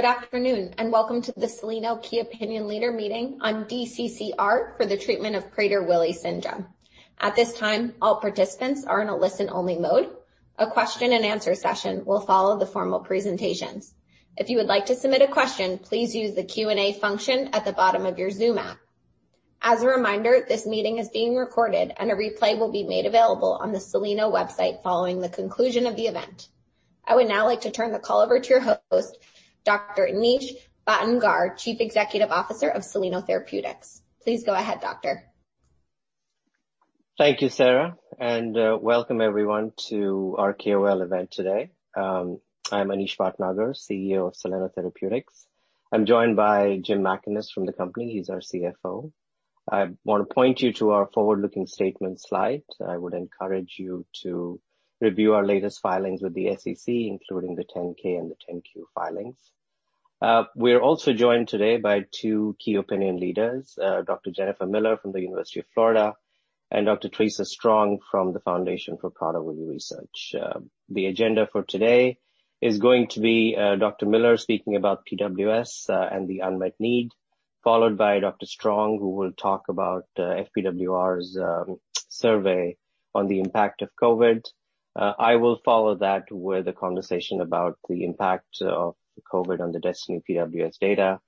Good afternoon, and welcome to the Soleno Key Opinion Leader meeting on DCCR for the treatment of Prader-Willi syndrome. At this time, all participants are in a listen-only mode. A question-and-answer session will follow the formal presentations. If you would like to submit a question, please use the Q&A function at the bottom of your Zoom app. As a reminder, this meeting is being recorded, and a replay will be made available on the Soleno website following the conclusion of the event. I would now like to turn the call over to your host, Dr. Anish Bhatnagar, Chief Executive Officer of Soleno Therapeutics. Please go ahead, doctor. Thank you, Sarah, and welcome everyone to our KOL event today. I'm Anish Bhatnagar, CEO of Soleno Therapeutics. I'm joined by Jim Mackaness from the company. He's our CFO. I want to point you to our forward-looking statement slide. I would encourage you to review our latest filings with the SEC, including the 10-K and the 10-Q filings. We're also joined today by two key opinion leaders, Dr. Jennifer Miller from the University of Florida and Dr. Theresa Strong from the Foundation for Prader-Willi Research. The agenda for today is going to be Dr. Miller speaking about PWS and the unmet need, followed by Dr. Strong, who will talk about FPWR's survey on the impact of COVID. I will follow that with a conversation about the impact of COVID on the DESTINY PWS data.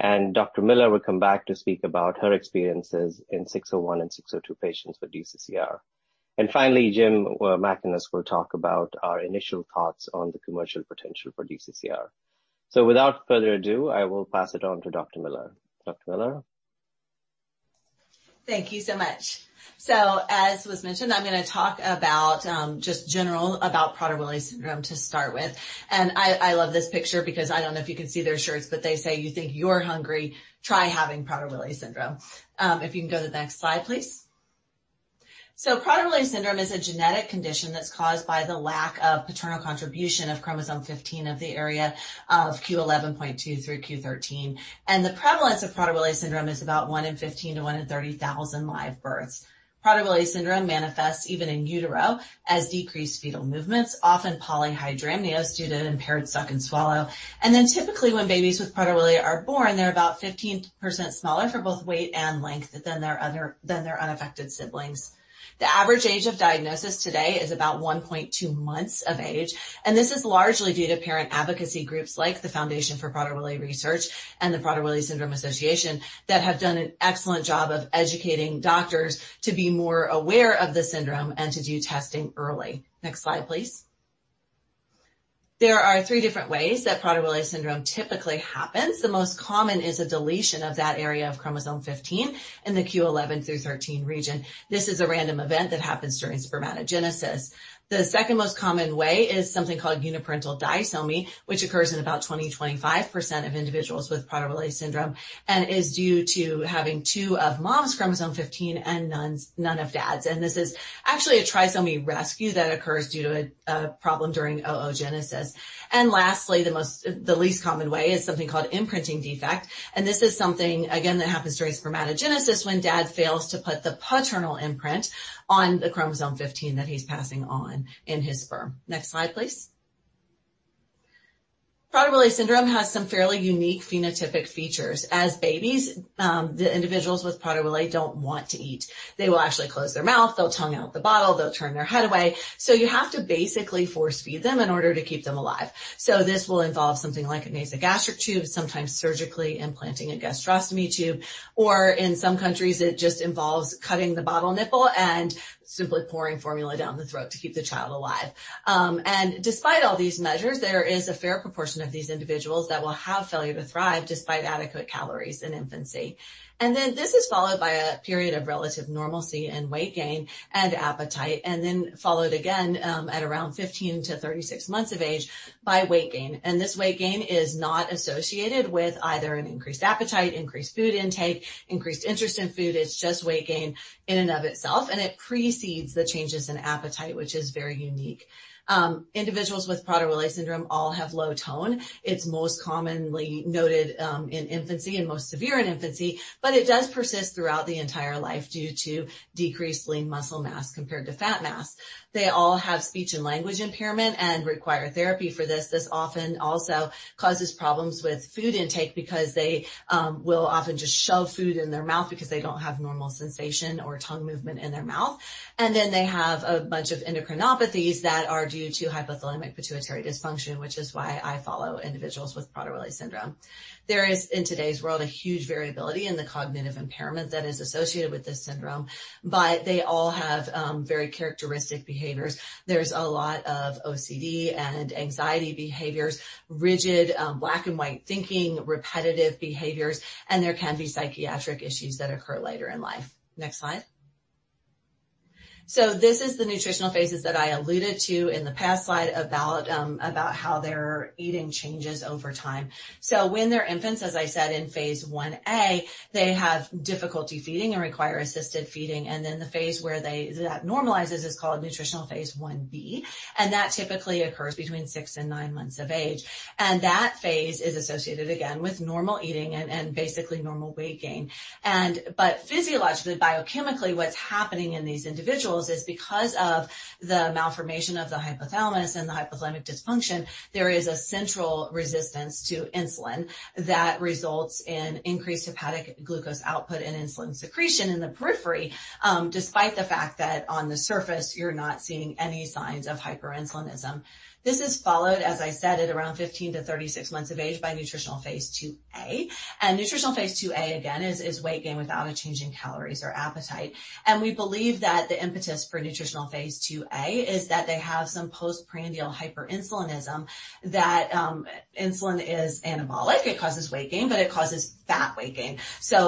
Dr. Miller will come back to speak about her experiences in C601 and C602 patients with DCCR. Finally, Jim Mackaness will talk about our initial thoughts on the commercial potential for DCCR. Without further ado, I will pass it on to Dr. Miller. Dr. Miller? Thank you so much. As was mentioned, I'm going to talk about just general about Prader-Willi syndrome to start with. I love this picture because I don't know if you can see their shirts, but they say, "You think you're hungry? Try having Prader-Willi syndrome." If you can go to the next slide, please. Prader-Willi syndrome is a genetic condition that's caused by the lack of paternal contribution of chromosome 15 of the area of q11.2 through q13. The prevalence of Prader-Willi syndrome is about one in 15 to one in 30,000 live births. Prader-Willi syndrome manifests even in utero as decreased fetal movements, often polyhydramnios due to impaired suck and swallow. Typically, when babies with Prader-Willi are born, they're about 15% smaller for both weight and length than their unaffected siblings. The average age of diagnosis today is about 1.2 months of age. This is largely due to parent advocacy groups like the Foundation for Prader-Willi Research and the Prader-Willi Syndrome Association that have done an excellent job of educating doctors to be more aware of the syndrome and to do testing early. Next slide, please. There are three different ways that Prader-Willi syndrome typically happens. The most common is a deletion of that area of chromosome 15q11-q13 region. This is a random event that happens during spermatogenesis. The second most common way is something called uniparental disomy, which occurs in about 20-25% of individuals with Prader-Willi syndrome and is due to having two of mom's chromosome 15 and none of dad's. This is actually a trisomy rescue that occurs due to a problem during oogenesis. Lastly, the least common way is something called imprinting defect, and this is something, again, that happens during spermatogenesis when dad fails to put the paternal imprint on the chromosome 15 that he's passing on in his sperm. Next slide, please. Prader-Willi syndrome has some fairly unique phenotypic features. As babies, the individuals with Prader-Willi don't want to eat. They will actually close their mouth, they'll tongue out the bottle, they'll turn their head away. You have to basically force-feed them in order to keep them alive. This will involve something like a nasogastric tube, sometimes surgically implanting a gastrostomy tube, or in some countries, it just involves cutting the bottle nipple and simply pouring formula down the throat to keep the child alive. Despite all these measures, there is a fair proportion of these individuals that will have failure to thrive despite adequate calories in infancy. This is followed by a period of relative normalcy and weight gain and appetite, then followed again at around 15 to 36 months of age by weight gain. This weight gain is not associated with either an increased appetite, increased food intake, increased interest in food. It's just weight gain in and of itself, and it precedes the changes in appetite, which is very unique. Individuals with Prader-Willi syndrome all have low tone. It's most commonly noted in infancy and most severe in infancy, but it does persist throughout the entire life due to decreased lean muscle mass compared to fat mass. They all have speech and language impairment and require therapy for this. This often also causes problems with food intake because they will often just shove food in their mouth because they don't have normal sensation or tongue movement in their mouth. They have a bunch of endocrinopathies that are due to hypothalamic pituitary dysfunction, which is why I follow individuals with Prader-Willi syndrome. There is, in today's world, a huge variability in the cognitive impairment that is associated with this syndrome, but they all have very characteristic behaviors. There's a lot of OCD and anxiety behaviors, rigid black-and-white thinking, repetitive behaviors, and there can be psychiatric issues that occur later in life. Next slide. This is the nutritional phases that I alluded to in the past slide about how their eating changes over time. When they're infants, as I said, in phase 1a, they have difficulty feeding and require assisted feeding. The phase where that normalizes is called nutritional phase 1b, and that typically occurs between six and nine months of age. That phase is associated, again, with normal eating and basically normal weight gain. Physiologically, biochemically, what's happening in these individuals is because of the malformation of the hypothalamus and the hypothalamic dysfunction, there is a central resistance to insulin that results in increased hepatic glucose output and insulin secretion in the periphery, despite the fact that on the surface, you're not seeing any signs of hyperinsulinism. This is followed, as I said, at around 15 to 36 months of age by nutritional phase 2a. Nutritional phase 2a, again, is weight gain without a change in calories or appetite. We believe that the impetus for nutritional phase 2a is that they have some postprandial hyperinsulinism that insulin is anabolic. It causes weight gain, but it causes fat weight gain.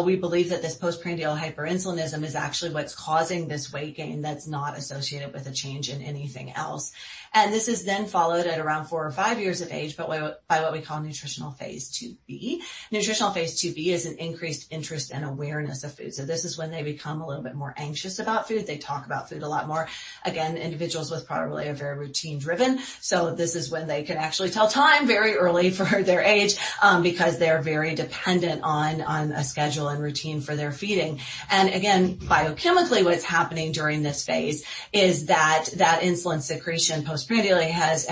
We believe that this postprandial hyperinsulinism is actually what's causing this weight gain that's not associated with a change in anything else. This is followed at around four or five years of age by what we call nutritional phase 2b. Nutritional phase 2b is an increased interest and awareness of food. This is when they become a little bit more anxious about food. They talk about food a lot more. Again, individuals with Prader-Willi are very routine-driven. This is when they can actually tell time very early for their age because they're very dependent on a schedule and routine for their feeding. Again, biochemically, what's happening during this phase is that insulin secretion postprandially has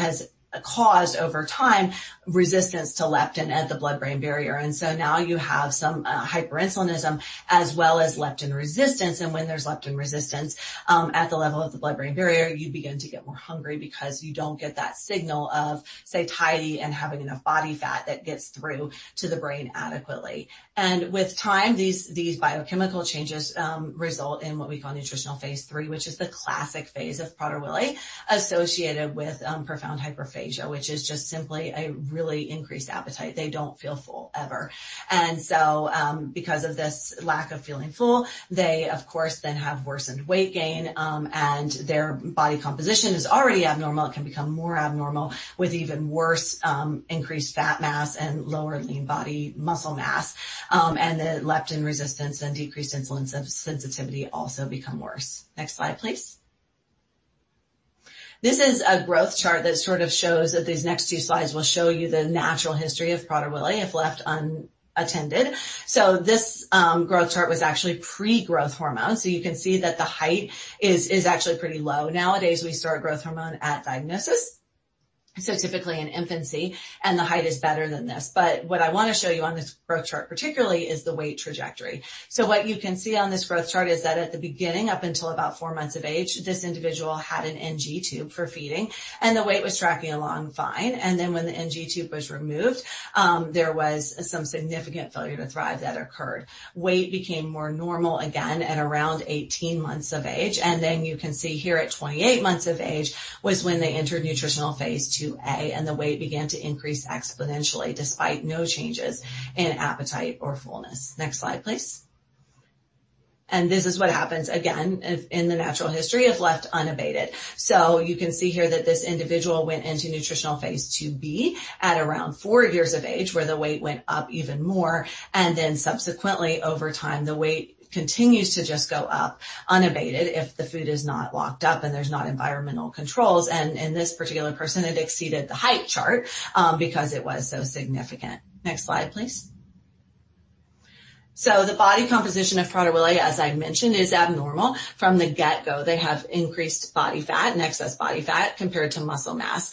caused, over time, resistance to leptin at the blood-brain barrier. Now you have some hyperinsulinism as well as leptin resistance. When there's leptin resistance at the level of the blood-brain barrier, you begin to get more hungry because you don't get that signal of satiety and having enough body fat that gets through to the brain adequately. With time, these biochemical changes result in what we call nutritional phase three, which is the classic phase of Prader-Willi associated with profound hyperphagia, which is just simply a really increased appetite. They don't feel full ever. Because of this lack of feeling full, they of course then have worsened weight gain, and their body composition is already abnormal. It can become more abnormal with even worse increased fat mass and lower lean body muscle mass. The leptin resistance and decreased insulin sensitivity also become worse. Next slide, please. This is a growth chart that sort of shows that these next two slides will show you the natural history of Prader-Willi if left unattended. This growth chart was actually pre-growth hormone. You can see that the height is actually pretty low. Nowadays, we start growth hormone at diagnosis, typically in infancy, and the height is better than this. What I want to show you on this growth chart particularly is the weight trajectory. What you can see on this growth chart is that at the beginning, up until about four months of age, this individual had an NG tube for feeding, and the weight was tracking along fine. When the NG tube was removed, there was some significant failure to thrive that occurred. Weight became more normal again at around 18 months of age. You can see here at 28 months of age was when they entered nutritional phase 2a, and the weight began to increase exponentially despite no changes in appetite or fullness. Next slide, please. This is what happens, again, in the natural history if left unabated. You can see here that this individual went into nutritional phase 2b at around four years of age, where the weight went up even more. Subsequently, over time, the weight continues to just go up unabated if the food is not locked up and there's not environmental controls. In this particular person, it exceeded the height chart because it was so significant. Next slide, please. The body composition of Prader-Willi, as I mentioned, is abnormal from the get-go. They have increased body fat and excess body fat compared to muscle mass.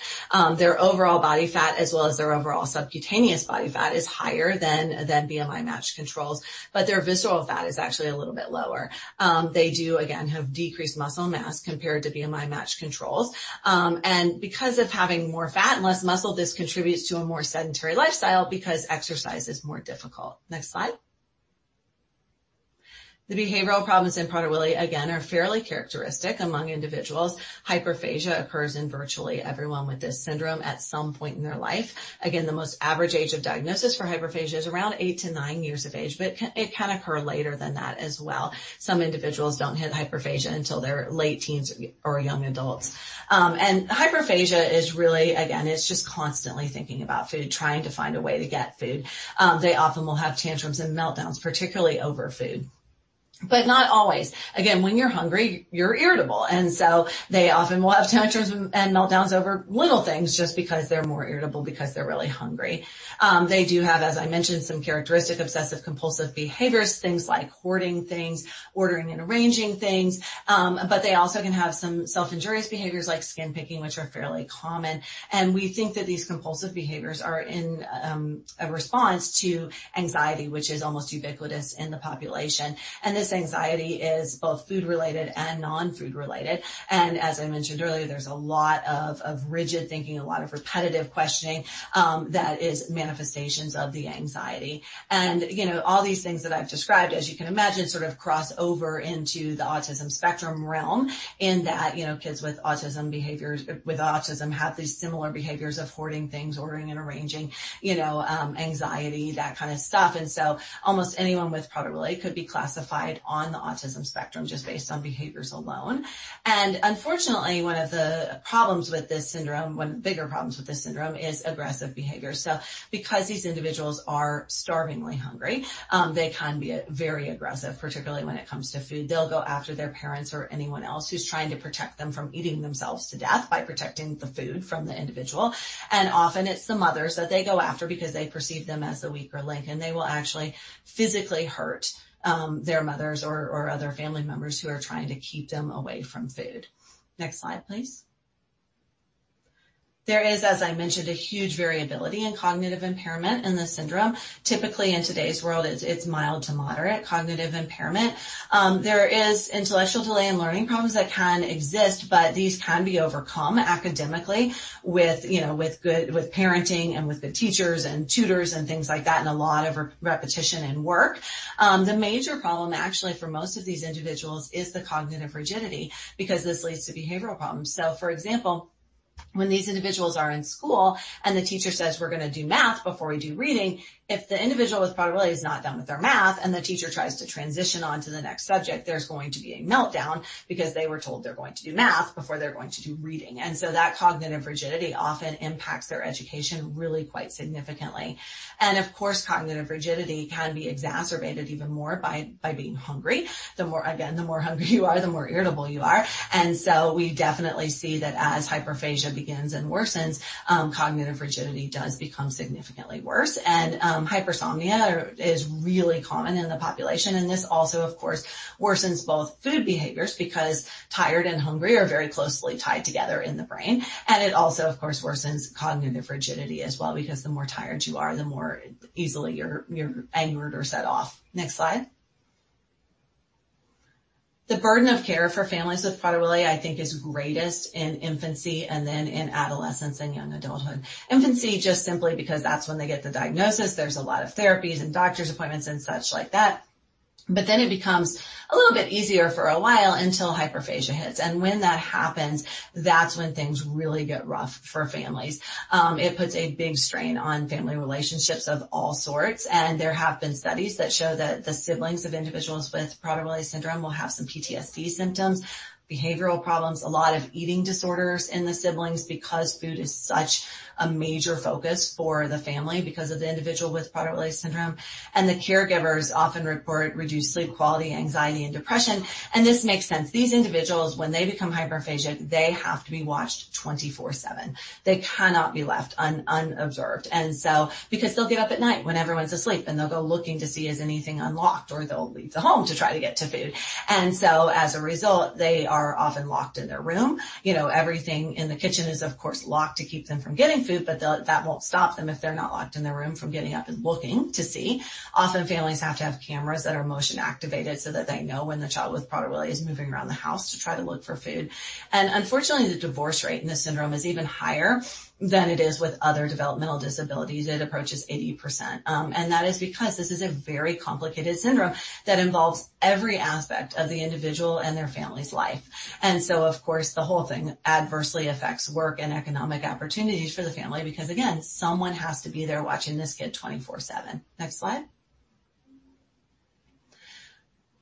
Their overall body fat, as well as their overall subcutaneous body fat, is higher than BMI-matched controls. Their visceral fat is actually a little bit lower. They do, again, have decreased muscle mass compared to BMI-matched controls. Because of having more fat and less muscle, this contributes to a more sedentary lifestyle because exercise is more difficult. Next slide. The behavioral problems in Prader-Willi, again, are fairly characteristic among individuals. Hyperphagia occurs in virtually everyone with this syndrome at some point in their life. Again, the most average age of diagnosis for hyperphagia is around eight to nine years of age, but it can occur later than that as well. Some individuals don't hit hyperphagia until their late teens or young adults. Hyperphagia is really, again, it's just constantly thinking about food, trying to find a way to get food. They often will have tantrums and meltdowns, particularly over food, but not always. Again, when you're hungry, you're irritable. They often will have tantrums and meltdowns over little things just because they're more irritable because they're really hungry. They do have, as I mentioned, some characteristic obsessive-compulsive behaviors, things like hoarding things, ordering and arranging things. They also can have some self-injurious behaviors like skin picking, which are fairly common. We think that these compulsive behaviors are in a response to anxiety, which is almost ubiquitous in the population. This anxiety is both food-related and non-food related. As I mentioned earlier, there's a lot of rigid thinking, a lot of repetitive questioning that is manifestations of the anxiety. All these things that I've described, as you can imagine, sort of cross over into the autism spectrum realm in that kids with autism have these similar behaviors of hoarding things, ordering and arranging, anxiety, that kind of stuff. Almost anyone with Prader-Willi could be classified on the autism spectrum just based on behaviors alone. And unfortunately, one of the problems with this syndrome, bigger problems with this syndrome is aggressive behavior. Because these individuals are starvingly hungry, they can be very aggressive, particularly when it comes to food. They'll go after their parents or anyone else who's trying to protect them from eating themselves to death by protecting the food from the individual. Often it's the mothers that they go after because they perceive them as the weaker link. They will actually physically hurt their mothers or other family members who are trying to keep them away from food. Next slide, please. There is, as I mentioned, a huge variability in cognitive impairment in this syndrome. Typically, in today's world, it's mild to moderate cognitive impairment. There is intellectual delay and learning problems that can exist, but these can be overcome academically with parenting and with good teachers and tutors and things like that, and a lot of repetition and work. The major problem actually for most of these individuals is the cognitive rigidity because this leads to behavioral problems. For example, when these individuals are in school and the teacher says, "We're going to do math before we do reading," if the individual with Prader-Willi is not done with their math and the teacher tries to transition on to the next subject, there's going to be a meltdown because they were told they're going to do math before they're going to do reading. That cognitive rigidity often impacts their education really quite significantly. Of course, cognitive rigidity can be exacerbated even more by being hungry. Again, the more hungry you are, the more irritable you are. We definitely see that as hyperphagia begins and worsens, cognitive rigidity does become significantly worse. Hypersomnia is really common in the population, and this also, of course, worsens both food behaviors because tired and hungry are very closely tied together in the brain. It also, of course, worsens cognitive rigidity as well, because the more tired you are, the more easily you're angered or set off. Next slide. The burden of care for families with Prader-Willi, I think is greatest in infancy and then in adolescence and young adulthood. Infancy, just simply because that's when they get the diagnosis. There's a lot of therapies and doctor's appointments and such like that. It becomes a little bit easier for a while until hyperphagia hits. When that happens, that's when things really get rough for families. It puts a big strain on family relationships of all sorts, and there have been studies that show that the siblings of individuals with Prader-Willi syndrome will have some PTSD symptoms, behavioral problems, a lot of eating disorders in the siblings because food is such a major focus for the family because of the individual with Prader-Willi syndrome. The caregivers often report reduced sleep quality, anxiety, and depression, and this makes sense. These individuals, when they become hyperphagic, they have to be watched 24/7. They cannot be left unobserved. They'll get up at night when everyone's asleep, and they'll go looking to see is anything unlocked, or they'll leave the home to try to get to food. As a result, they are often locked in their room. Everything in the kitchen is, of course, locked to keep them from getting food. That won't stop them if they're not locked in their room from getting up and looking to see. Often, families have to have cameras that are motion activated so that they know when the child with Prader-Willi is moving around the house to try to look for food. Unfortunately, the divorce rate in this syndrome is even higher than it is with other developmental disabilities. It approaches 80%. That is because this is a very complicated syndrome that involves every aspect of the individual and their family's life. Of course, the whole thing adversely affects work and economic opportunities for the family because, again, someone has to be there watching this kid 24/7. Next slide.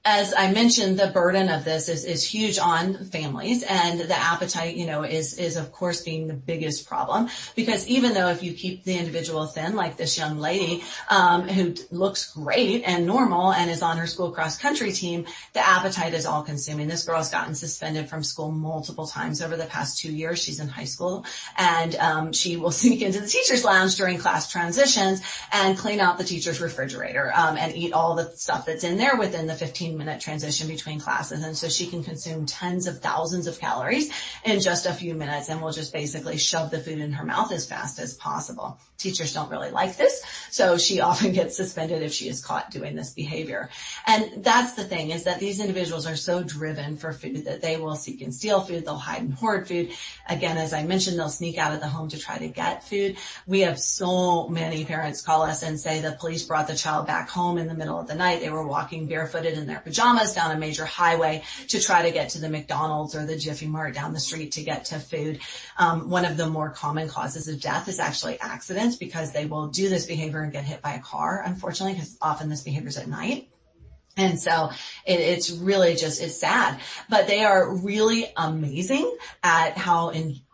As I mentioned, the burden of this is huge on families and the appetite is, of course, being the biggest problem. Because even though if you keep the individual thin, like this young lady, who looks great and normal and is on her school cross country team, the appetite is all-consuming. This girl has gotten suspended from school multiple times over the past two years. She's in high school. She will sneak into the teacher's lounge during class transitions and clean out the teacher's refrigerator and eat all the stuff that's in there within the 15-minute transition between classes. She can consume tens of thousands of calories in just a few minutes and will just basically shove the food in her mouth as fast as possible. Teachers don't really like this, so she often gets suspended if she is caught doing this behavior. That's the thing, is that these individuals are so driven for food that they will seek and steal food. They'll hide and hoard food. Again, as I mentioned, they'll sneak out of the home to try to get food. We have so many parents call us and say the police brought the child back home in the middle of the night. They were walking barefooted in their pajamas down a major highway to try to get to the McDonald's or the Jiffy Mart down the street to get to food. One of the more common causes of death is actually accidents because they will do this behavior and get hit by a car, unfortunately, because often this behavior is at night. It's really just sad. They are really amazing at how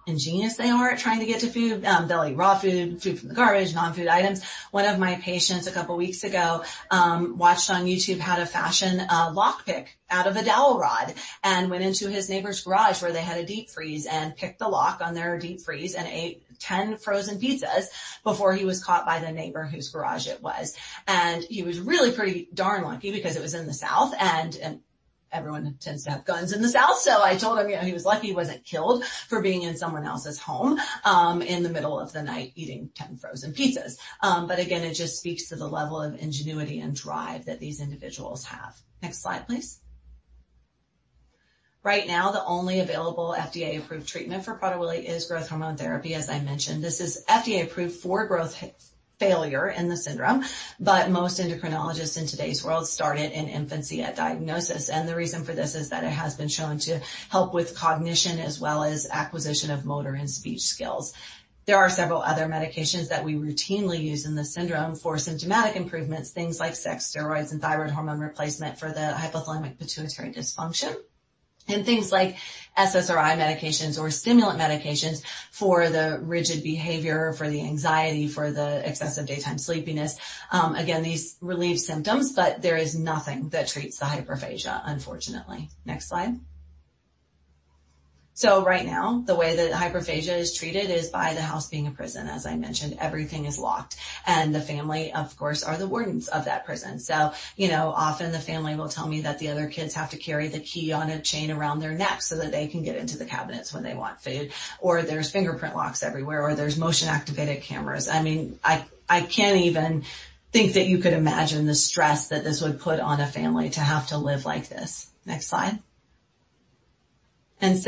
ingenious they are at trying to get to food. They'll eat raw food from the garbage, non-food items. One of my patients a couple of weeks ago, watched on YouTube, how to fashion a lockpick out of a dowel rod and went into his neighbor's garage where they had a deep freeze and picked the lock on their deep freeze and ate 10 frozen pizzas before he was caught by the neighbor whose garage it was. He was really pretty darn lucky because it was in the South, and everyone tends to have guns in the South. I told him he was lucky he wasn't killed for being in someone else's home in the middle of the night eating 10 frozen pizzas. Again, it just speaks to the level of ingenuity and drive that these individuals have. Next slide, please. The only available FDA-approved treatment for Prader-Willi is growth hormone therapy, as I mentioned. This is FDA approved for growth failure in the syndrome, most endocrinologists in today's world start it in infancy at diagnosis. The reason for this is that it has been shown to help with cognition as well as acquisition of motor and speech skills. There are several other medications that we routinely use in this syndrome for symptomatic improvements, things like sex steroids and thyroid hormone replacement for the hypothalamic pituitary dysfunction, and things like SSRI medications or stimulant medications for the rigid behavior, for the anxiety, for the excessive daytime sleepiness. Again, these relieve symptoms, there is nothing that treats the hyperphagia, unfortunately. Next slide. Right now, the way that hyperphagia is treated is by the house being a prison. As I mentioned, everything is locked, and the family, of course, are the wardens of that prison. Often the family will tell me that the other kids have to carry the key on a chain around their neck so that they can get into the cabinets when they want food, or there's fingerprint locks everywhere, or there's motion-activated cameras. I can't even think that you could imagine the stress that this would put on a family to have to live like this. Next slide. As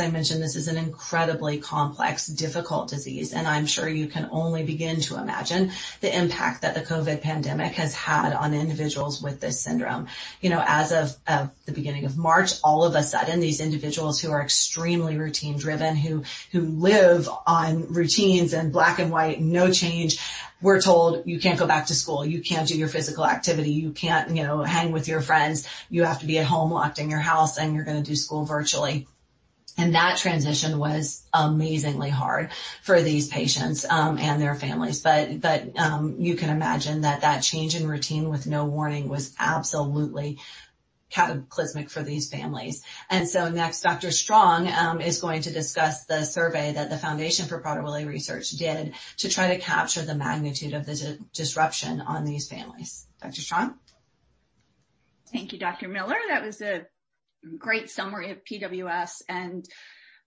I mentioned, this is an incredibly complex, difficult disease, and I'm sure you can only begin to imagine the impact that the COVID pandemic has had on individuals with this syndrome. As of the beginning of March, all of a sudden, these individuals who are extremely routine-driven, who live on routines and black and white, no change, were told, "You can't go back to school. You can't do your physical activity. You can't hang with your friends. You have to be at home, locked in your house, and you're going to do school virtually." That transition was amazingly hard for these patients and their families. You can imagine that that change in routine with no warning was absolutely cataclysmic for these families. Next, Dr. Strong is going to discuss the survey that the Foundation for Prader-Willi Research did to try to capture the magnitude of the disruption on these families. Dr. Strong? Thank you, Dr. Miller. That was a great summary of PWS.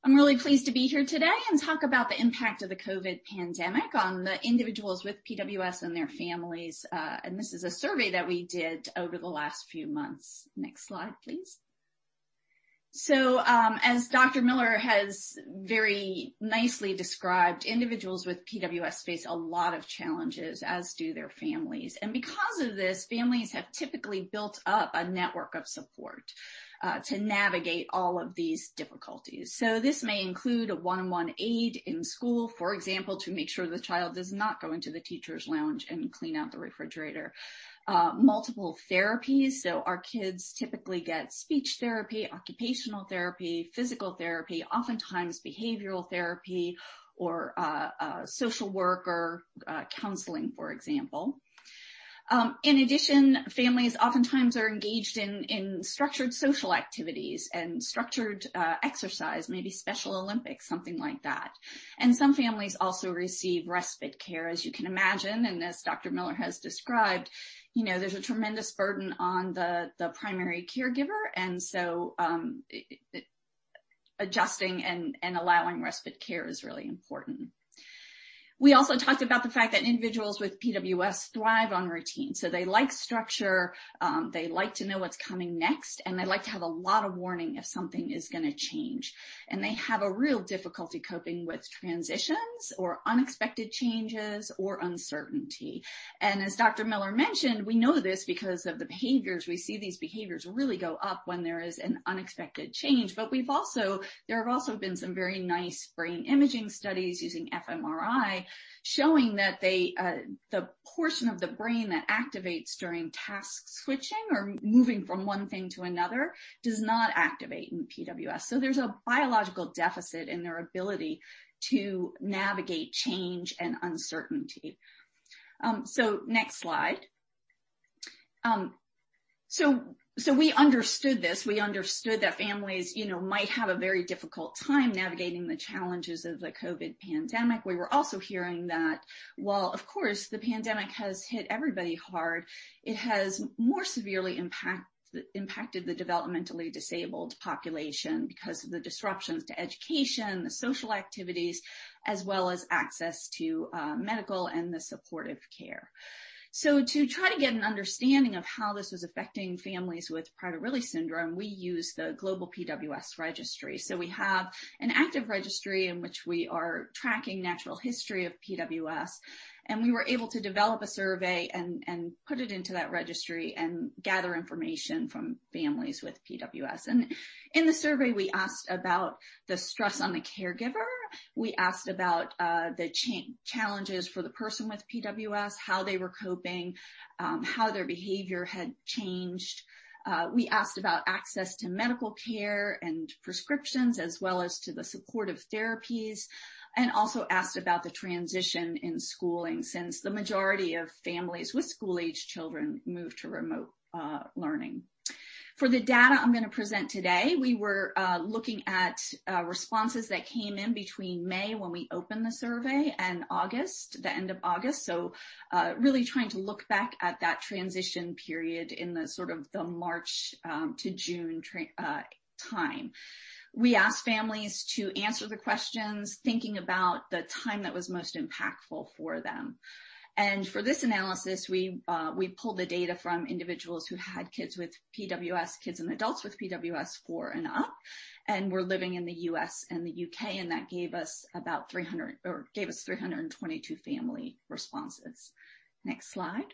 I'm really pleased to be here today and talk about the impact of the COVID pandemic on the individuals with PWS and their families. This is a survey that we did over the last few months. Next slide, please. As Dr. Miller has very nicely described, individuals with PWS face a lot of challenges, as do their families. Because of this, families have typically built up a network of support to navigate all of these difficulties. This may include a one-on-one aide in school, for example, to make sure the child does not go into the teachers' lounge and clean out the refrigerator. Multiple therapies. Our kids typically get speech therapy, occupational therapy, physical therapy, oftentimes behavioral therapy, or social work or counseling, for example. Families oftentimes are engaged in structured social activities and structured exercise, maybe Special Olympics, something like that. Some families also receive respite care. As you can imagine, as Dr. Miller has described, there's a tremendous burden on the primary caregiver, adjusting and allowing respite care is really important. We also talked about the fact that individuals with PWS thrive on routine. They like structure, they like to know what's coming next, and they like to have a lot of warning if something is going to change. They have a real difficulty coping with transitions or unexpected changes or uncertainty. As Dr. Miller mentioned, we know this because of the behaviors. We see these behaviors really go up when there is an unexpected change. There have also been some very nice brain imaging studies using fMRI showing that the portion of the brain that activates during task switching or moving from one thing to another does not activate in PWS. There's a biological deficit in their ability to navigate change and uncertainty. Next slide. We understood this. We understood that families might have a very difficult time navigating the challenges of the COVID pandemic. We were also hearing that while, of course, the pandemic has hit everybody hard, it has more severely impacted the developmentally disabled population because of the disruptions to education, the social activities, as well as access to medical and the supportive care. To try to get an understanding of how this was affecting families with Prader-Willi syndrome, we used the Global PWS Registry. We have an active registry in which we are tracking natural history of PWS, and we were able to develop a survey and put it into that registry and gather information from families with PWS. In the survey, we asked about the stress on the caregiver. We asked about the challenges for the person with PWS, how they were coping, how their behavior had changed. We asked about access to medical care and prescriptions, as well as to the supportive therapies, and also asked about the transition in schooling since the majority of families with school-age children moved to remote learning. For the data I'm going to present today, we were looking at responses that came in between May, when we opened the survey, and August, the end of August, so really trying to look back at that transition period in the March to June time. We asked families to answer the questions, thinking about the time that was most impactful for them. For this analysis, we pulled the data from individuals who had kids with PWS, kids and adults with PWS four and up, and were living in the U.S. and the U.K., and that gave us 322 family responses. Next slide.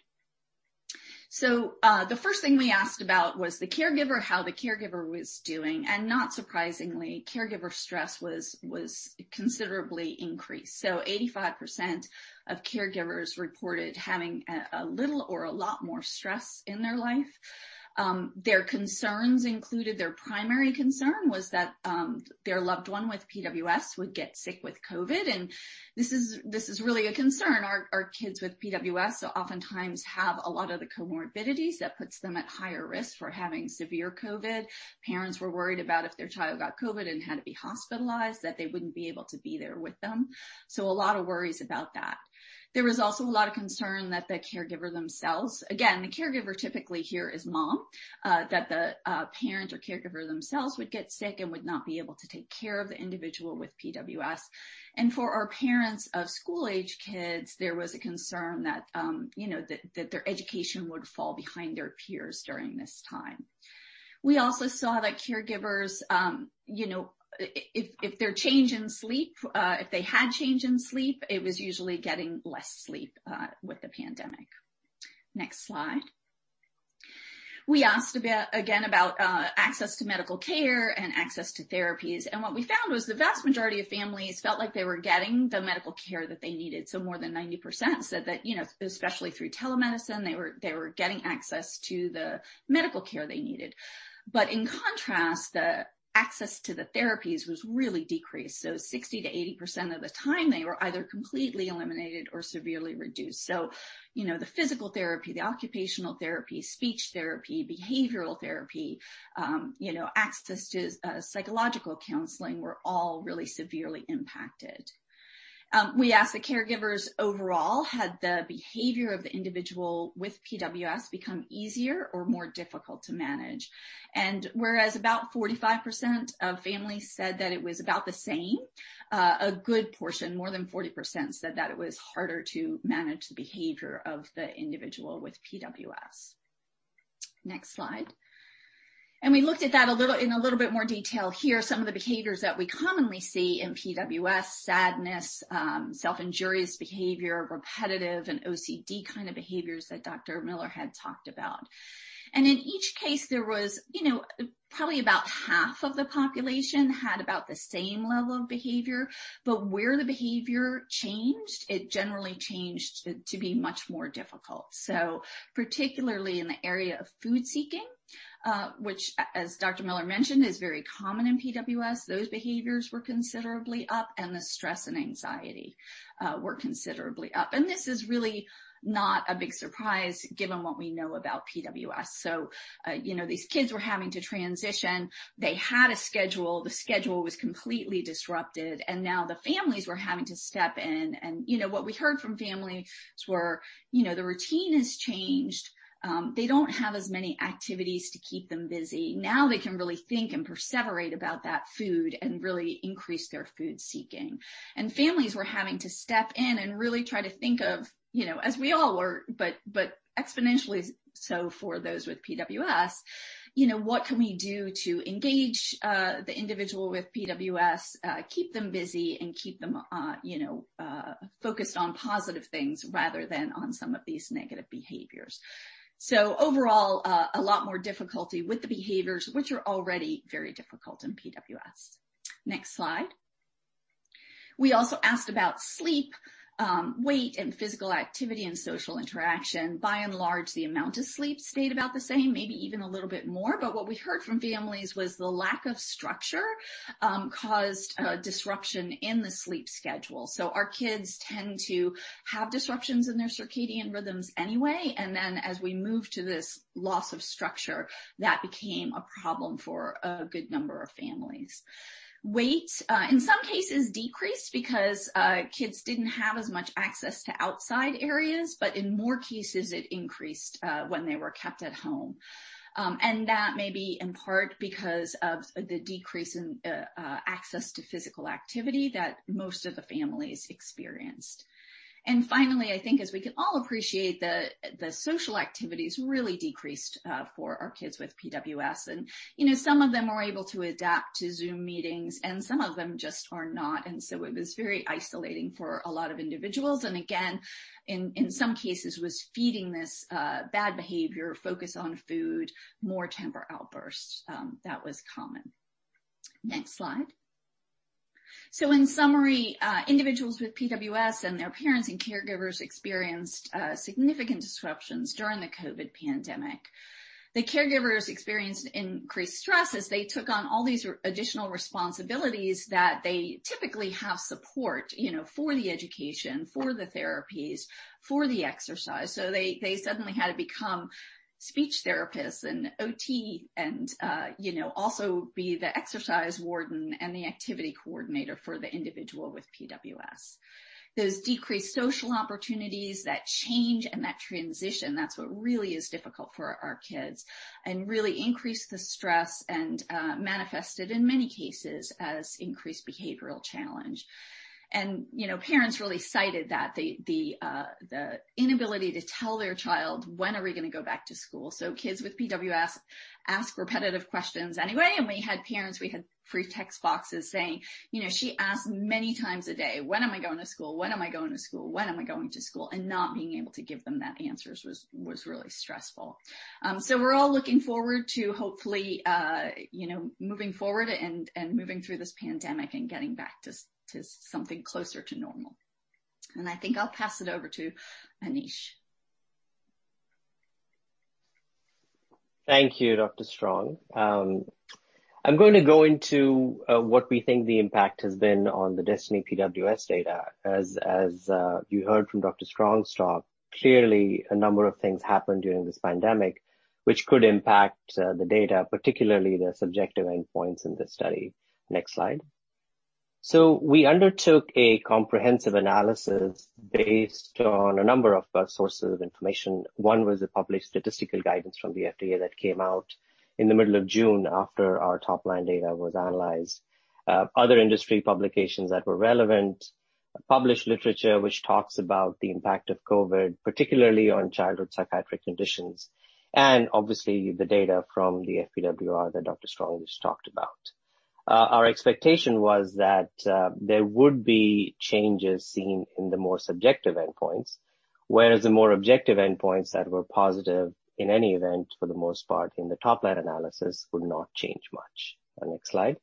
The first thing we asked about was the caregiver, how the caregiver was doing, and not surprisingly, caregiver stress was considerably increased. 85% of caregivers reported having a little or a lot more stress in their life. Their concerns included their primary concern was that their loved one with PWS would get sick with COVID, and this is really a concern. Our kids with PWS oftentimes have a lot of the comorbidities that puts them at higher risk for having severe COVID. Parents were worried about if their child got COVID and had to be hospitalized, that they wouldn't be able to be there with them. A lot of worries about that. There was also a lot of concern that the caregiver themselves, again, the caregiver typically here is mom, that the parent or caregiver themselves would get sick and would not be able to take care of the individual with PWS. For our parents of school-age kids, there was a concern that their education would fall behind their peers during this time. We also saw that caregivers, if their change in sleep, if they had change in sleep, it was usually getting less sleep with the pandemic. Next slide. We asked again about access to medical care and access to therapies, and what we found was the vast majority of families felt like they were getting the medical care that they needed. More than 90% said that, especially through telemedicine, they were getting access to the medical care they needed. In contrast, the access to the therapies was really decreased. 60%-80% of the time, they were either completely eliminated or severely reduced. The physical therapy, the occupational therapy, speech therapy, behavioral therapy, access to psychological counseling were all really severely impacted. We asked the caregivers overall had the behavior of the individual with PWS become easier or more difficult to manage. Whereas about 45% of families said that it was about the same, a good portion, more than 40%, said that it was harder to manage the behavior of the individual with PWS. Next slide. We looked at that in a little bit more detail here. Some of the behaviors that we commonly see in PWS, sadness, self-injurious behavior, repetitive and OCD kind of behaviors that Dr. Miller had talked about. In each case, there was probably about half of the population had about the same level of behavior, but where the behavior changed, it generally changed to be much more difficult. Particularly in the area of food-seeking, which as Dr. Miller mentioned, is very common in PWS. Those behaviors were considerably up and the stress and anxiety were considerably up. This is really not a big surprise given what we know about PWS. These kids were having to transition. They had a schedule, the schedule was completely disrupted, and now the families were having to step in. What we heard from families were the routine has changed, they don't have as many activities to keep them busy. Now they can really think and perseverate about that food and really increase their food-seeking. Families were having to step in and really try to think of, as we all were, but exponentially so for those with PWS, what can we do to engage the individual with PWS, keep them busy, and keep them focused on positive things rather than on some of these negative behaviors. Overall, a lot more difficulty with the behaviors, which are already very difficult in PWS. Next slide. We also asked about sleep, weight, and physical activity and social interaction. By and large, the amount of sleep stayed about the same, maybe even a little bit more. What we heard from families was the lack of structure caused a disruption in the sleep schedule. Our kids tend to have disruptions in their circadian rhythms anyway, and then as we move to this loss of structure, that became a problem for a good number of families. Weight, in some cases, decreased because kids didn't have as much access to outside areas, but in more cases it increased when they were kept at home. That may be in part because of the decrease in access to physical activity that most of the families experienced. Finally, I think as we can all appreciate, the social activities really decreased for our kids with PWS. Some of them are able to adapt to Zoom meetings, and some of them just are not, and so it was very isolating for a lot of individuals. Again, in some cases was feeding this bad behavior, focus on food, more temper outbursts. That was common. Next slide. In summary, individuals with PWS and their parents and caregivers experienced significant disruptions during the COVID pandemic. The caregivers experienced increased stress as they took on all these additional responsibilities that they typically have support for the education, for the therapies, for the exercise. They suddenly had to become speech therapists and OT and also be the exercise warden and the activity coordinator for the individual with PWS. Those decreased social opportunities, that change, and that transition, that's what really is difficult for our kids and really increased the stress and manifested in many cases as increased behavioral challenge. Parents really cited that the inability to tell their child, "When are we going to go back to school?" Kids with PWS ask repetitive questions anyway. We had parents, we had free text boxes saying, "She asks many times a day, when am I going to school? When am I going to school? When am I going to school?" Not being able to give them that answer was really stressful. We're all looking forward to hopefully, moving forward and moving through this pandemic and getting back to something closer to normal. I think I'll pass it over to Anish. Thank you, Dr. Strong. I'm going to go into what we think the impact has been on the DESTINY PWS data. As you heard from Dr. Strong's talk, clearly a number of things happened during this pandemic which could impact the data, particularly the subjective endpoints in this study. Next slide. We undertook a comprehensive analysis based on a number of sources of information. One was the published statistical guidance from the FDA that came out in the middle of June after our top-line data was analyzed. Other industry publications that were relevant. Published literature which talks about the impact of COVID, particularly on childhood psychiatric conditions. Obviously, the data from the FPWR that Dr. Strong just talked about. Our expectation was that there would be changes seen in the more subjective endpoints, whereas the more objective endpoints that were positive in any event, for the most part in the top-line analysis, would not change much. Next slide.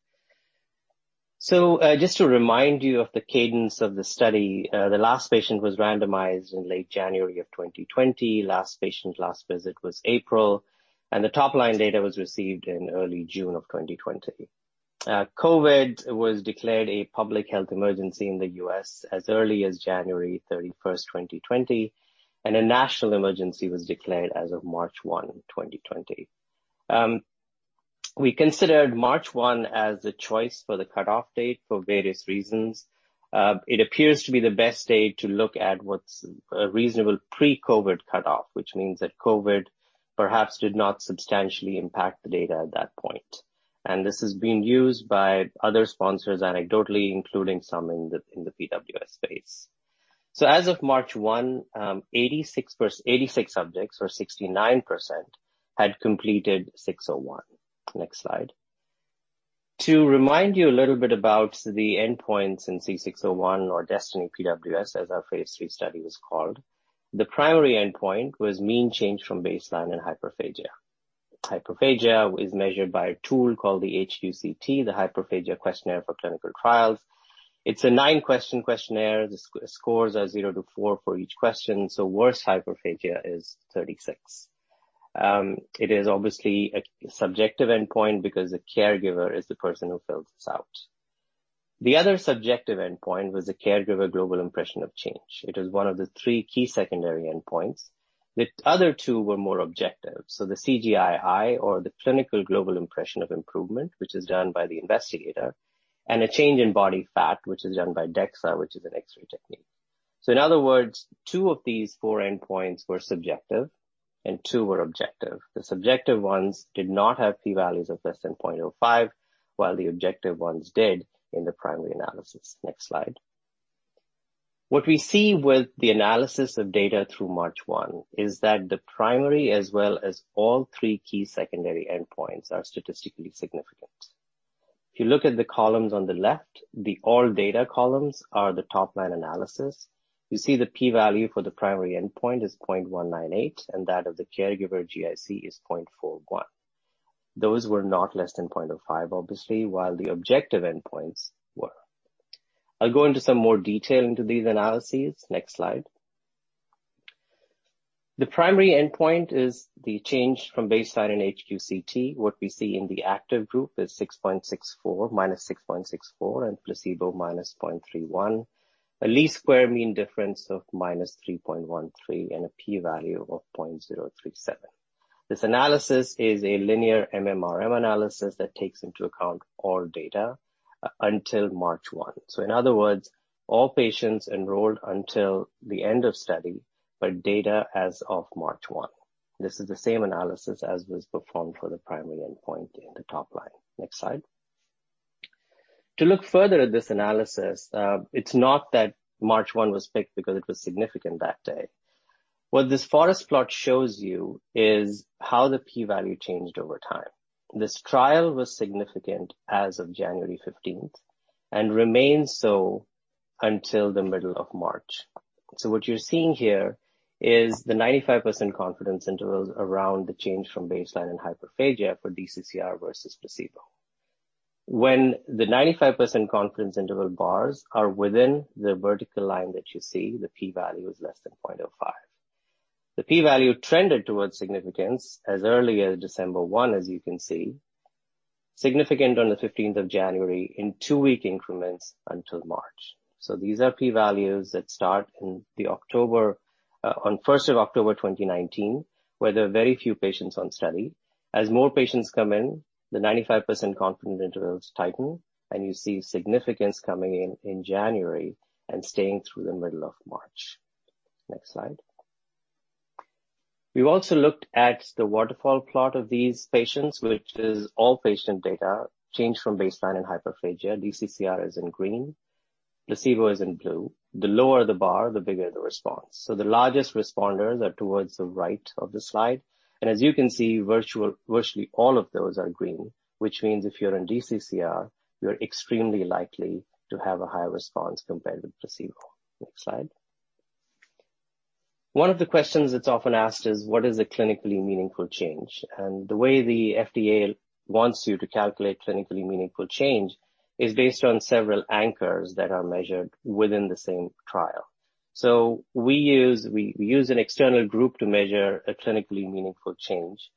Just to remind you of the cadence of the study. The last patient was randomized in late January 2020. Last patient last visit was April. The top-line data was received in early June 2020. COVID was declared a public health emergency in the U.S. as early as January 31st, 2020, and a national emergency was declared as of March 1, 2020. We considered March 1 as the choice for the cutoff date for various reasons. It appears to be the best date to look at what's a reasonable pre-COVID cutoff, which means that COVID perhaps did not substantially impact the data at that point. This has been used by other sponsors anecdotally, including some in the PWS space. As of March 1, 86 subjects, or 69%, had completed C601. Next slide. To remind you a little bit about the endpoints in C601 or DESTINY PWS, as our phase III study was called. The primary endpoint was mean change from baseline in hyperphagia. Hyperphagia is measured by a tool called the HQ-CT, the Hyperphagia Questionnaire for Clinical Trials. It's a nine-question questionnaire. The scores are zero to four for each question, so worse hyperphagia is 36. It is obviously a subjective endpoint because the caregiver is the person who fills this out. The other subjective endpoint was the Caregiver Global Impression of Change. It was one of the three key secondary endpoints. The other two were more objective, so the CGI-I or the Clinical Global Impression of Improvement, which is done by the investigator, and a change in body fat, which is done by DEXA, which is an X-ray technique. In other words, two of these four endpoints were subjective and two were objective. The subjective ones did not have P values of less than 0.05, while the objective ones did in the primary analysis. Next slide. What we see with the analysis of data through March 1 is that the primary, as well as all three key secondary endpoints, are statistically significant. If you look at the columns on the left, the all data columns are the top-line analysis. You see the P value for the primary endpoint is 0.198, and that of the caregiver GIC is 0.41. Those were not less than 0.05, obviously, while the objective endpoints were. I'll go into some more detail into these analyses. Next slide. The primary endpoint is the change from baseline in HQ-CT. What we see in the active group is -6.64 and placebo -0.31. A least square mean difference of -3.13 and a P value of 0.037. This analysis is a linear MMRM analysis that takes into account all data until March 1. In other words, all patients enrolled until the end of study, but data as of March 1. This is the same analysis as was performed for the primary endpoint in the top-line. Next slide. To look further at this analysis, it's not that March 1 was picked because it was significant that day. What this forest plot shows you is how the P value changed over time. This trial was significant as of January 15th and remained so until the middle of March. What you're seeing here is the 95% confidence intervals around the change from baseline and hyperphagia for DCCR versus placebo. When the 95% confidence interval bars are within the vertical line that you see, the P value is less than 0.05. The P value trended towards significance as early as December 1, as you can see. Significant on the 15th of January in two-week increments until March. These are P values that start on 1st of October 2019, where there are very few patients on study. As more patients come in, the 95% confidence intervals tighten, and you see significance coming in in January and staying through the middle of March. Next slide. We've also looked at the waterfall plot of these patients, which is all patient data changed from baseline and hyperphagia. DCCR is in green. Placebo is in blue. The lower the bar, the bigger the response. The largest responders are towards the right of the slide. As you can see, virtually all of those are green, which means if you're in DCCR, you're extremely likely to have a higher response compared with placebo. Next slide. One of the questions that's often asked is, what is a clinically meaningful change? The way the FDA wants you to calculate clinically meaningful change is based on several anchors that are measured within the same trial. We use an external group to measure a clinically meaningful change,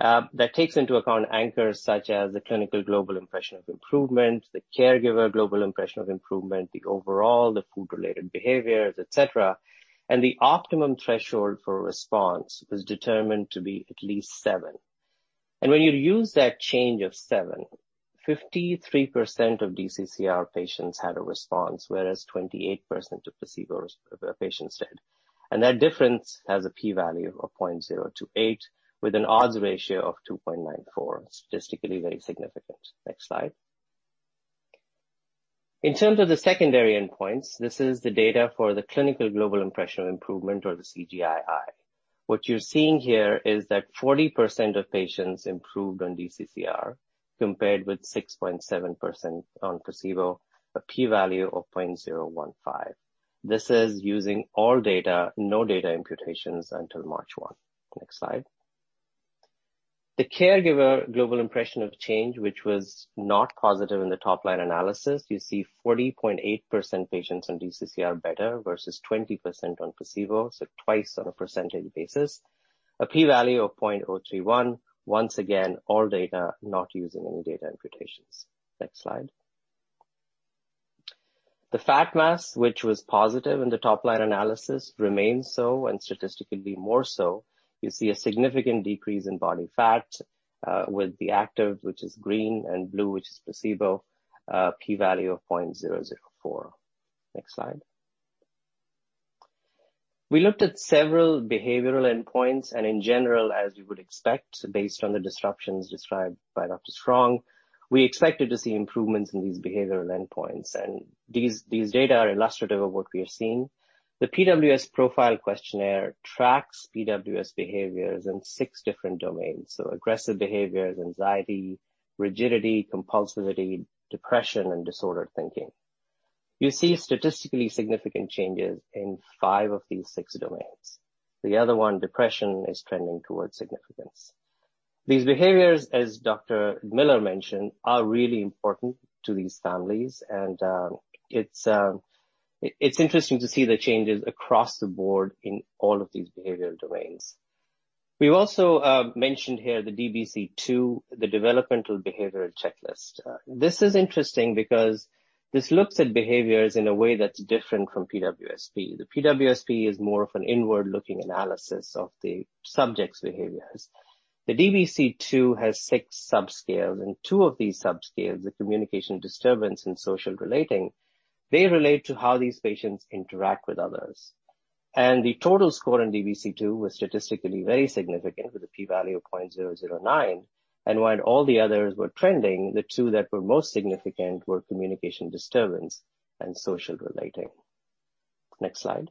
that takes into account anchors such as the Clinical Global Impression of Improvement, the Caregiver Global Impression of Improvement, the overall, the food-related behaviors, et cetera. The optimum threshold for response was determined to be at least seven. When you use that change of seven, 53% of DCCR patients had a response, whereas 28% of placebo patients did. That difference has a P value of 0.028 with an odds ratio of 2.94. Statistically very significant. Next slide. In terms of the secondary endpoints, this is the data for the Clinical Global Impression of Improvement or the CGI-I. What you're seeing here is that 40% of patients improved on DCCR compared with 6.7% on placebo, a P value of 0.015. This is using all data, no data imputations until March 1. Next slide. The Caregiver Global Impression of Change, which was not positive in the top-line analysis, you see 40.8% patients on DCCR better versus 20% on placebo, so twice on a percentage basis. A P value of 0.031. Once again, all data not using any data imputations. Next slide. The fat mass, which was positive in the top-line analysis, remains so and statistically more so. You see a significant decrease in body fat, with the active, which is green, and blue, which is placebo, a P value of 0.004. Next slide. We looked at several behavioral endpoints. In general, as you would expect, based on the disruptions described by Dr. Strong, we expected to see improvements in these behavioral endpoints. These data are illustrative of what we are seeing. The PWS Profile Questionnaire tracks PWS behaviors in six different domains. Aggressive behaviors, anxiety, rigidity, compulsivity, depression, and disordered thinking. You see statistically significant changes in five of these six domains. The other one, depression, is trending towards significance. These behaviors, as Dr. Miller mentioned, are really important to these families, and it's interesting to see the changes across the board in all of these behavioral domains. We've also mentioned here the DBC2, the Developmental Behavior Checklist. This is interesting because this looks at behaviors in a way that's different from PWSP. The PWSP is more of an inward-looking analysis of the subject's behaviors. The DBC2 has six subscales, two of these subscales, the communication disturbance and social relating, they relate to how these patients interact with others. The total score on DBC2 was statistically very significant with a P value of 0.009. While all the others were trending, the two that were most significant were communication disturbance and social relating. Next slide.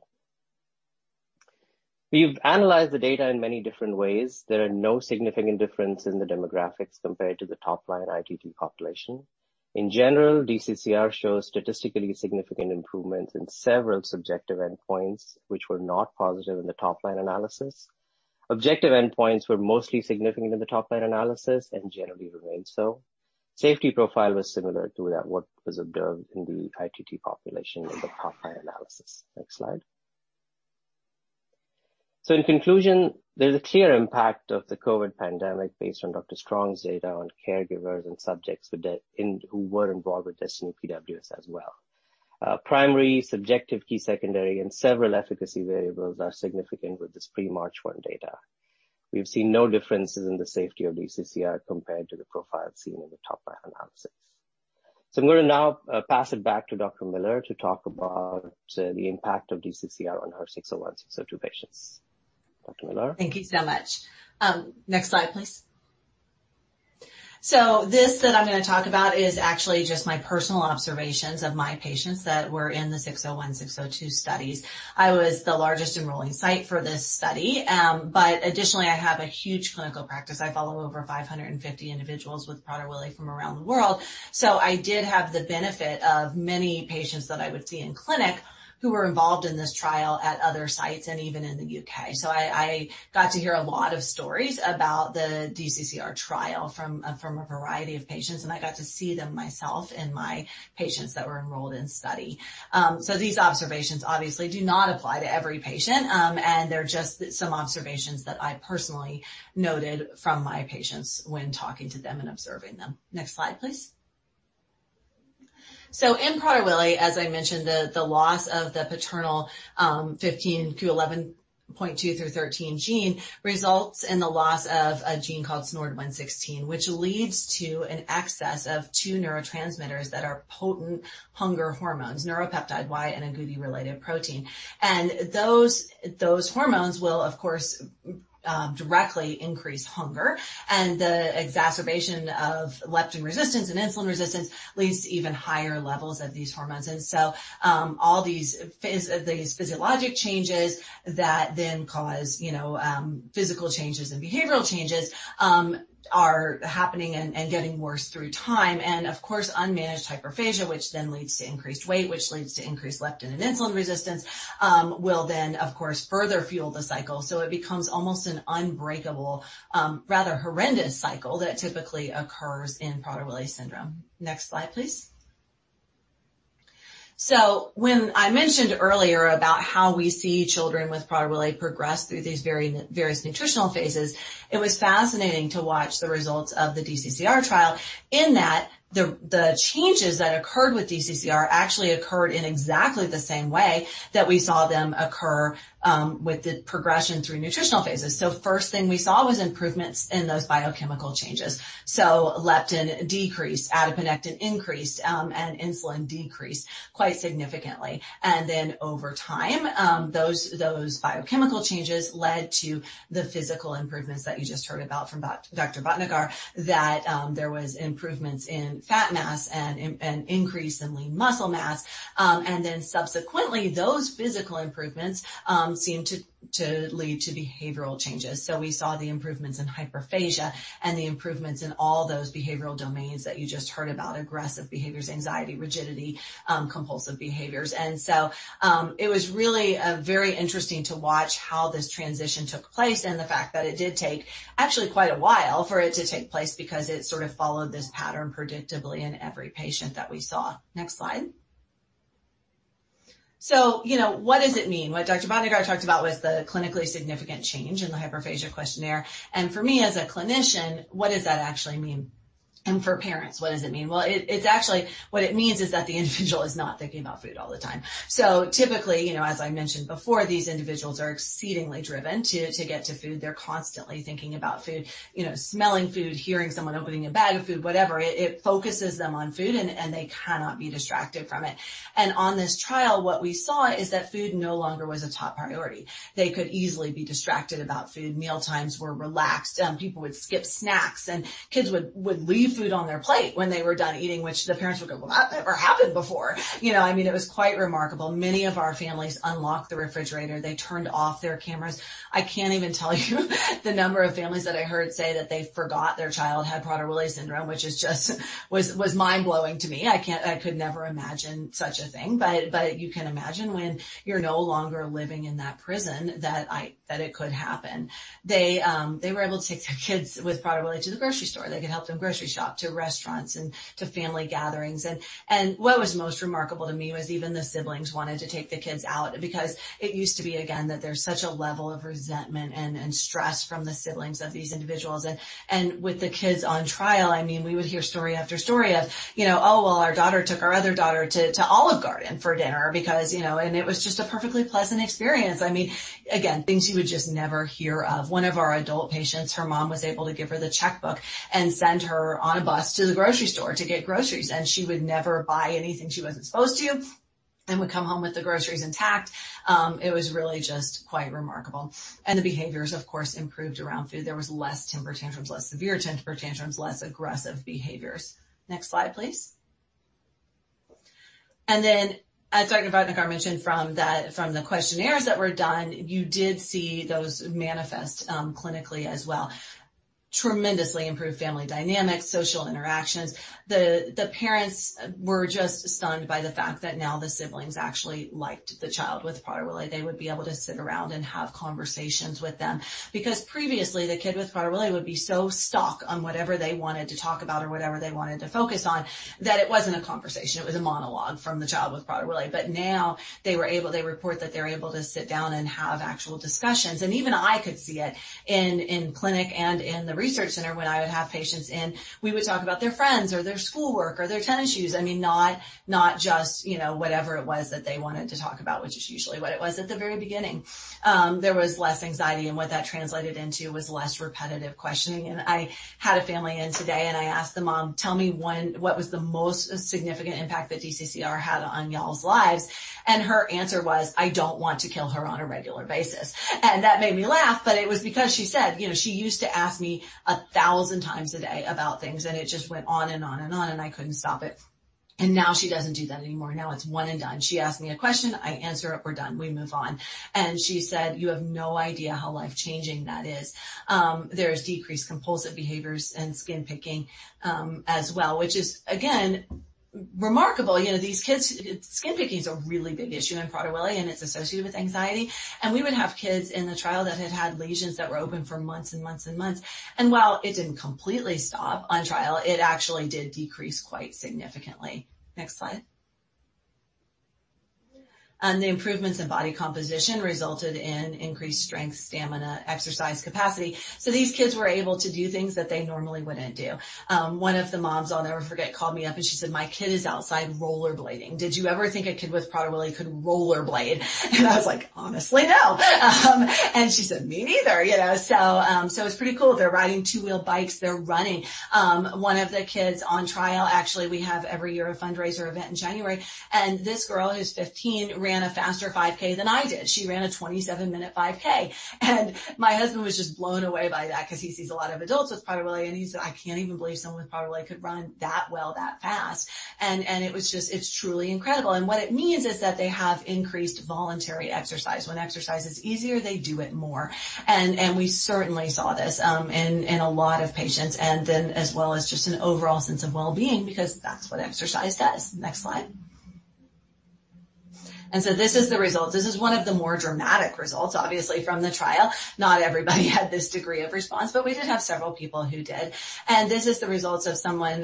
We've analyzed the data in many different ways. There are no significant difference in the demographics compared to the top-line ITT population. In general, DCCR shows statistically significant improvements in several subjective endpoints, which were not positive in the top-line analysis. Objective endpoints were mostly significant in the top-line analysis and generally remained so. Safety profile was similar to what was observed in the ITT population in the top-line analysis. Next slide. In conclusion, there's a clear impact of the COVID pandemic based on Dr. Strong's data on caregivers and subjects who were involved with DESTINY PWS as well. Primary, subjective, key secondary, and several efficacy variables are significant with this pre-March 1 data. We've seen no differences in the safety of DCCR compared to the profile seen in the top-line analysis. I'm going to now pass it back to Dr. Miller to talk about the impact of DCCR on her C601, C602 patients. Dr. Miller? Thank you so much. Next slide, please. This that I'm going to talk about is actually just my personal observations of my patients that were in the C601, C602 studies. I was the largest enrolling site for this study. Additionally, I have a huge clinical practice. I follow over 550 individuals with Prader-Willi from around the world. I did have the benefit of many patients that I would see in clinic who were involved in this trial at other sites and even in the U.K. I got to hear a lot of stories about the DCCR trial from a variety of patients, and I got to see them myself in my patients that were enrolled in study. These observations obviously do not apply to every patient. They're just some observations that I personally noted from my patients when talking to them and observing them. Next slide, please. In Prader-Willi, as I mentioned, the loss of the paternal 15q11.2-q13 gene results in the loss of a gene called SNORD116, which leads to an excess of two neurotransmitters that are potent hunger hormones, neuropeptide Y and agouti-related protein. Those hormones will, of course, directly increase hunger, and the exacerbation of leptin resistance and insulin resistance leads to even higher levels of these hormones. All these physiologic changes that then cause, you know, physical changes and behavioral changes are happening and getting worse through time. Of course, unmanaged hyperphagia, which then leads to increased weight, which leads to increased leptin and insulin resistance, will then, of course, further fuel the cycle. It becomes almost an unbreakable, rather horrendous cycle that typically occurs in Prader-Willi syndrome. Next slide, please. When I mentioned earlier about how we see children with Prader-Willi progress through these various nutritional phases, it was fascinating to watch the results of the DCCR trial in that the changes that occurred with DCCR actually occurred in exactly the same way that we saw them occur with the progression through nutritional phases. First thing we saw was improvements in those biochemical changes. So leptin decreased, adiponectin increased, and insulin decreased quite significantly. Over time, those biochemical changes led to the physical improvements that you just heard about from Dr. Bhatnagar, that there was improvements in fat mass and an increase in lean muscle mass. Subsequently, those physical improvements seemed to lead to behavioral changes. We saw the improvements in hyperphagia and the improvements in all those behavioral domains that you just heard about, aggressive behaviors, anxiety, rigidity, compulsive behaviors. It was really very interesting to watch how this transition took place and the fact that it did take actually quite a while for it to take place because it sort of followed this pattern predictably in every patient that we saw. Next slide. What does it mean? What Dr. Bhatnagar talked about was the clinically significant change in the Hyperphagia Questionnaire. For me as a clinician, what does that actually mean? For parents, what does it mean? Well, actually what it means is that the individual is not thinking about food all the time. Typically, as I mentioned before, these individuals are exceedingly driven to get to food. They're constantly thinking about food, smelling food, hearing someone opening a bag of food, whatever. It focuses them on food, and they cannot be distracted from it. On this trial, what we saw is that food no longer was a top priority. They could easily be distracted about food. Mealtimes were relaxed. People would skip snacks, and kids would leave food on their plate when they were done eating, which the parents would go, "Well, that never happened before." It was quite remarkable. Many of our families unlocked the refrigerator. They turned off their cameras. I can't even tell you the number of families that I heard say that they forgot their child had Prader-Willi syndrome, which was mind-blowing to me. I could never imagine such a thing. You can imagine when you're no longer living in that prison that it could happen. They were able to take their kids with Prader-Willi to the grocery store. They could help them grocery shop, to restaurants, and to family gatherings. What was most remarkable to me was even the siblings wanted to take the kids out because it used to be, again, that there's such a level of resentment and stress from the siblings of these individuals. With the kids on trial, we would hear story after story of, "Oh, well, our daughter took our other daughter to Olive Garden for dinner because." It was just a perfectly pleasant experience. Again, things you would just never hear of. One of our adult patients, her mom was able to give her the checkbook and send her on a bus to the grocery store to get groceries, and she would never buy anything she wasn't supposed to and would come home with the groceries intact. It was really just quite remarkable. The behaviors, of course, improved around food. There was less temper tantrums, less severe temper tantrums, less aggressive behaviors. Next slide, please. As Dr. Bhatnagar mentioned from the questionnaires that were done, you did see those manifest clinically as well. Tremendously improved family dynamics, social interactions. The parents were just stunned by the fact that now the siblings actually liked the child with Prader-Willi. They would be able to sit around and have conversations with them, because previously the kid with Prader-Willi would be so stuck on whatever they wanted to talk about or whatever they wanted to focus on that it wasn't a conversation, it was a monologue from the child with Prader-Willi. Now they report that they're able to sit down and have actual discussions. Even I could see it in clinic and in the research center when I would have patients in. We would talk about their friends or their schoolwork or their tennis shoes, not just whatever it was that they wanted to talk about, which is usually what it was at the very beginning. There was less anxiety, and what that translated into was less repetitive questioning. I had a family in today, I asked the mom, "Tell me what was the most significant impact that DCCR had on y'all's lives?" Her answer was, "I don't want to kill her on a regular basis." That made me laugh, but it was because she said, "She used to ask me 1,000 times a day about things, and it just went on and on and on, and I couldn't stop it." Now she doesn't do that anymore. Now it's one and done. She asks me a question, I answer it, we're done, we move on. She said, "You have no idea how life-changing that is." There's decreased compulsive behaviors and skin picking as well, which is again, remarkable. These kids, skin picking is a really big issue in Prader-Willi, and it's associated with anxiety. We would have kids in the trial that had had lesions that were open for months and months and months. While it didn't completely stop on trial, it actually did decrease quite significantly. Next slide. The improvements in body composition resulted in increased strength, stamina, exercise capacity. These kids were able to do things that they normally wouldn't do. One of the moms, I'll never forget, called me up and she said, "My kid is outside rollerblading. Did you ever think a kid with Prader-Willi could rollerblade?" I was like, "Honestly, no." She said, "Me neither." It's pretty cool. They're riding two-wheel bikes. They're running. One of the kids on trial, actually, we have every year a fundraiser event in January, and this girl, who's 15, ran a faster 5K than I did. She ran a 27-minute 5K. My husband was just blown away by that because he sees a lot of adults with Prader-Willi, and he said, "I can't even believe someone with Prader-Willi could run that well that fast." It's truly incredible. What it means is that they have increased voluntary exercise. When exercise is easier, they do it more. We certainly saw this in a lot of patients, and then as well as just an overall sense of wellbeing, because that's what exercise does. Next slide. This is the result. This is one of the more dramatic results, obviously, from the trial. Not everybody had this degree of response, but we did have several people who did. This is the results of someone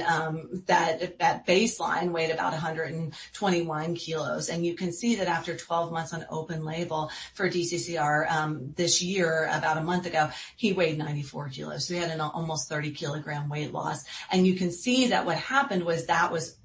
that at baseline weighed about 121 kg. You can see that after 12 months on open label for DCCR this year, about a month ago, he weighed 94 kg. He had an almost 30 kg weight loss. You can see that what happened was that was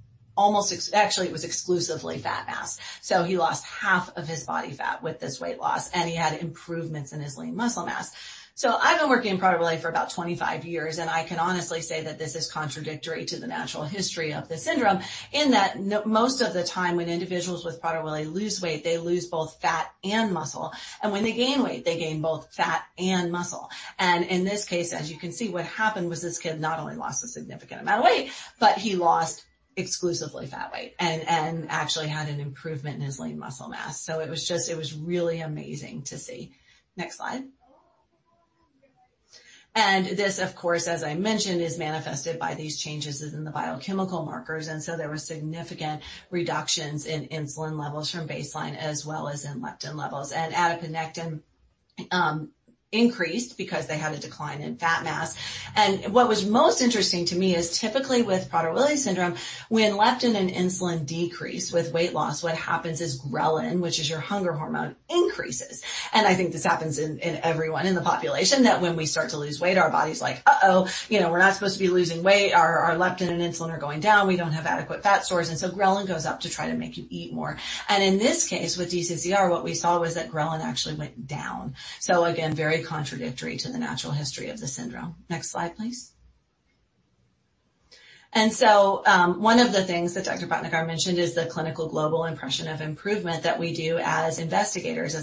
actually, it was exclusively fat mass. He lost half of his body fat with this weight loss, and he had improvements in his lean muscle mass. I've been working in Prader-Willi for about 25 years, and I can honestly say that this is contradictory to the natural history of the syndrome in that most of the time when individuals with Prader-Willi lose weight, they lose both fat and muscle. When they gain weight, they gain both fat and muscle. In this case, as you can see, what happened was this kid not only lost a significant amount of weight, but he lost exclusively fat weight and actually had an improvement in his lean muscle mass. It was really amazing to see. Next slide. This, of course, as I mentioned, is manifested by these changes in the biochemical markers, there were significant reductions in insulin levels from baseline as well as in leptin levels. Adiponectin increased because they had a decline in fat mass. What was most interesting to me is typically with Prader-Willi syndrome, when leptin and insulin decrease with weight loss, what happens is ghrelin, which is your hunger hormone, increases. I think this happens in everyone in the population, that when we start to lose weight, our body's like, "Uh-oh, we're not supposed to be losing weight. Our leptin and insulin are going down. We don't have adequate fat stores." Ghrelin goes up to try to make you eat more. In this case, with DCCR, what we saw was that ghrelin actually went down. Again, very contradictory to the natural history of the syndrome. Next slide, please. One of the things that Dr. Bhatnagar mentioned is the Clinical Global Impression of Improvement that we do as investigators.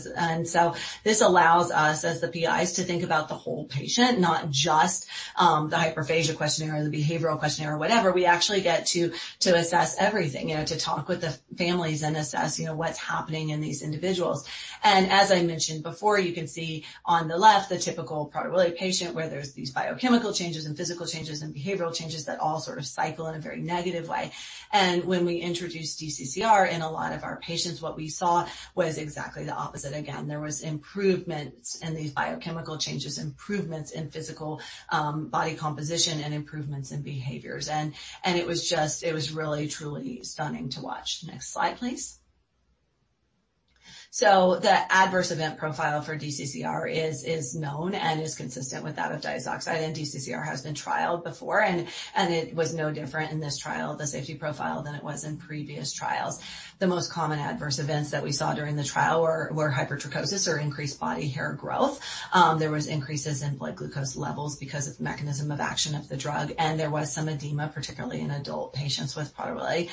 This allows us as the PIs to think about the whole patient, not just the Hyperphagia Questionnaire or the Behavioral Questionnaire or whatever. We actually get to assess everything, to talk with the families and assess what's happening in these individuals. As I mentioned before, you can see on the left the typical Prader-Willi patient, where there's these biochemical changes and physical changes and behavioral changes that all sort of cycle in a very negative way. When we introduced DCCR in a lot of our patients, what we saw was exactly the opposite again. There was improvements in these biochemical changes, improvements in physical body composition, and improvements in behaviors. It was really truly stunning to watch. Next slide, please. The adverse event profile for DCCR is known and is consistent with that of diazoxide, and DCCR has been trialed before, and it was no different in this trial, the safety profile, than it was in previous trials. The most common adverse events that we saw during the trial were hypertrichosis or increased body hair growth. There was increases in blood glucose levels because of the mechanism of action of the drug, and there was some edema, particularly in adult patients with Prader-Willi.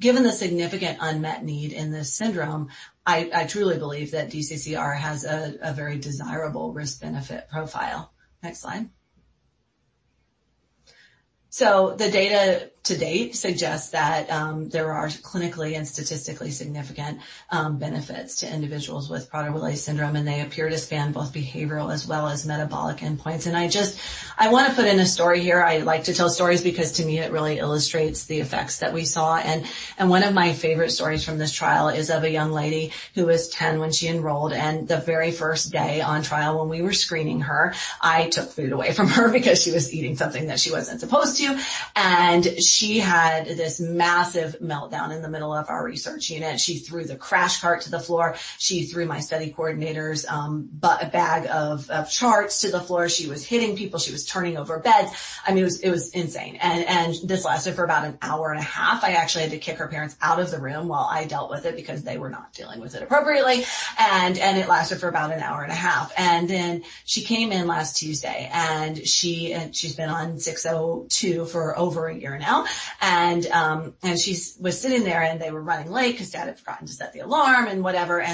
Given the significant unmet need in this syndrome, I truly believe that DCCR has a very desirable risk-benefit profile. Next slide. The data to date suggests that there are clinically and statistically significant benefits to individuals with Prader-Willi syndrome, and they appear to span both behavioral as well as metabolic endpoints. I want to put in a story here. I like to tell stories because to me it really illustrates the effects that we saw. One of my favorite stories from this trial is of a young lady who was 10 when she enrolled. The very first day on trial when we were screening her, I took food away from her because she was eating something that she wasn't supposed to, and she had this massive meltdown in the middle of our research unit. She threw the crash cart to the floor. She threw my study coordinator's bag of charts to the floor. She was hitting people. She was turning over beds. It was insane. This lasted for about an hour and a half. I actually had to kick her parents out of the room while I dealt with it because they were not dealing with it appropriately. It lasted for about an hour and a half. Then she came in last Tuesday, and she's been on C602 for over a year now. She was sitting there, and they were running late because Dad had forgotten to set the alarm and whatever.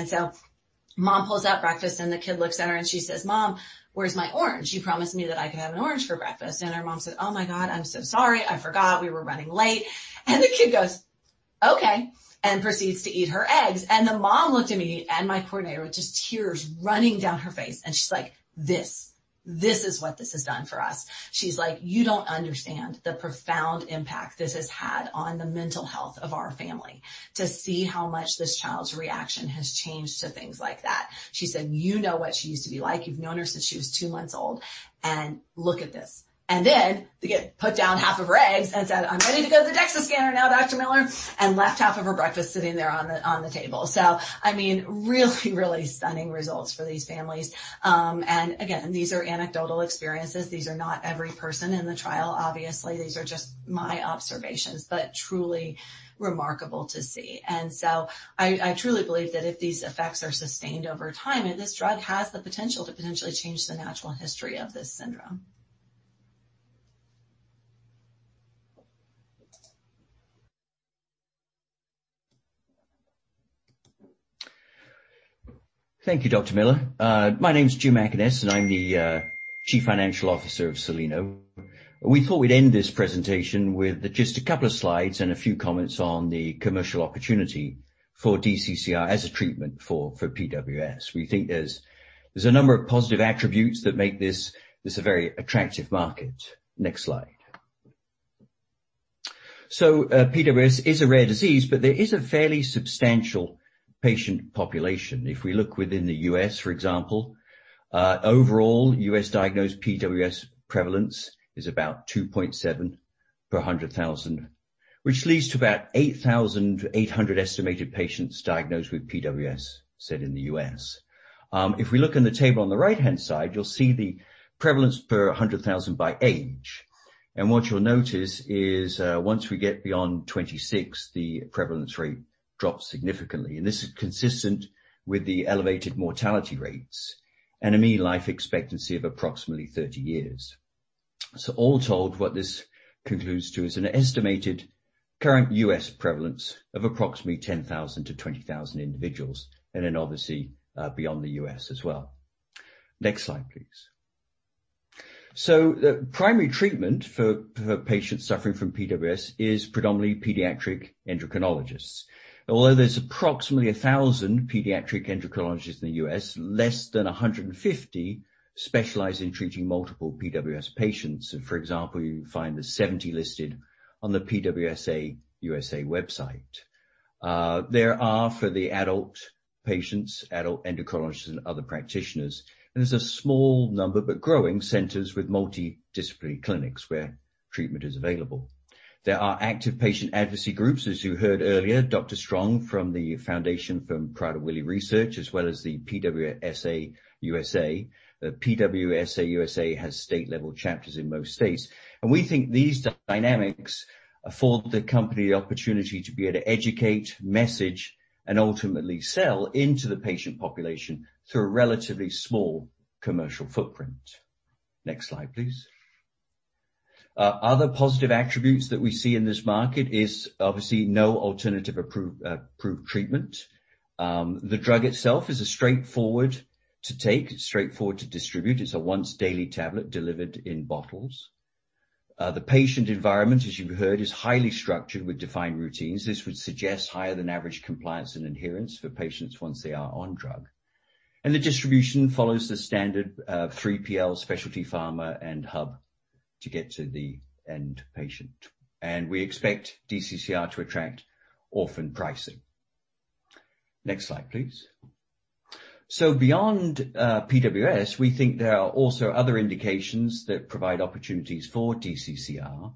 Mom pulls out breakfast, and the kid looks at her, and she says, "Mom, where's my orange? You promised me that I could have an orange for breakfast." Her mom said, "Oh my God, I'm so sorry. I forgot. We were running late." The kid goes, "Okay," and proceeds to eat her eggs. The mom looked at me and my coordinator with just tears running down her face, and she's like, "This. This is what this has done for us." She's like, "You don't understand the profound impact this has had on the mental health of our family to see how much this child's reaction has changed to things like that." She said, "You know what she used to be like. You've known her since she was two months old. Look at this." Then put down half of her eggs and said, "I'm ready to go to the DEXA scanner now, Dr. Miller," and left half of her breakfast sitting there on the table. Really, really stunning results for these families. Again, these are anecdotal experiences. These are not every person in the trial, obviously. These are just my observations, but truly remarkable to see. I truly believe that if these effects are sustained over time, then this drug has the potential to potentially change the natural history of this syndrome. Thank you, Dr. Miller. My name's Jim Mackaness, and I'm the Chief Financial Officer of Soleno. We thought we'd end this presentation with just a couple of slides and a few comments on the commercial opportunity for DCCR as a treatment for PWS. We think there's a number of positive attributes that make this a very attractive market. Next slide. PWS is a rare disease, but there is a fairly substantial patient population. If we look within the U.S., for example, overall U.S. diagnosed PWS prevalence is about 2.7 per 100,000, which leads to about 8,800 estimated patients diagnosed with PWS, said in the U.S. If we look in the table on the right-hand side, you'll see the prevalence per 100,000 by age. What you'll notice is, once we get beyond 26, the prevalence rate drops significantly, and this is consistent with the elevated mortality rates and a mean life expectancy of approximately 30 years. All told, what this concludes to is an estimated current U.S. prevalence of approximately 10,000-20,000 individuals, and then obviously, beyond the U.S. as well. Next slide, please. The primary treatment for patients suffering from PWS is predominantly pediatric endocrinologists. Although there's approximately 1,000 pediatric endocrinologists in the U.S., less than 150 specialize in treating multiple PWS patients. For example, you find there's 70 listed on the PWSA U.S.A. website. There are, for the adult patients, adult endocrinologists and other practitioners, and there's a small number, but growing centers with multidisciplinary clinics where treatment is available. There are active patient advocacy groups, as you heard earlier, Dr. Strong from the Foundation for Prader-Willi Research, as well as the PWSA U.S.A. The PWSA U.S.A. has state-level chapters in most states. We think these dynamics afford the company the opportunity to be able to educate, message, and ultimately sell into the patient population through a relatively small commercial footprint. Next slide, please. Other positive attributes that we see in this market is obviously no alternative approved treatment. The drug itself is straightforward to take, straightforward to distribute. It's a once-daily tablet delivered in bottles. The patient environment, as you heard, is highly structured with defined routines. This would suggest higher than average compliance and adherence for patients once they are on drug. The distribution follows the standard 3PL specialty pharma and hub to get to the end patient. We expect DCCR to attract orphan pricing. Next slide, please. Beyond PWS, we think there are also other indications that provide opportunities for DCCR.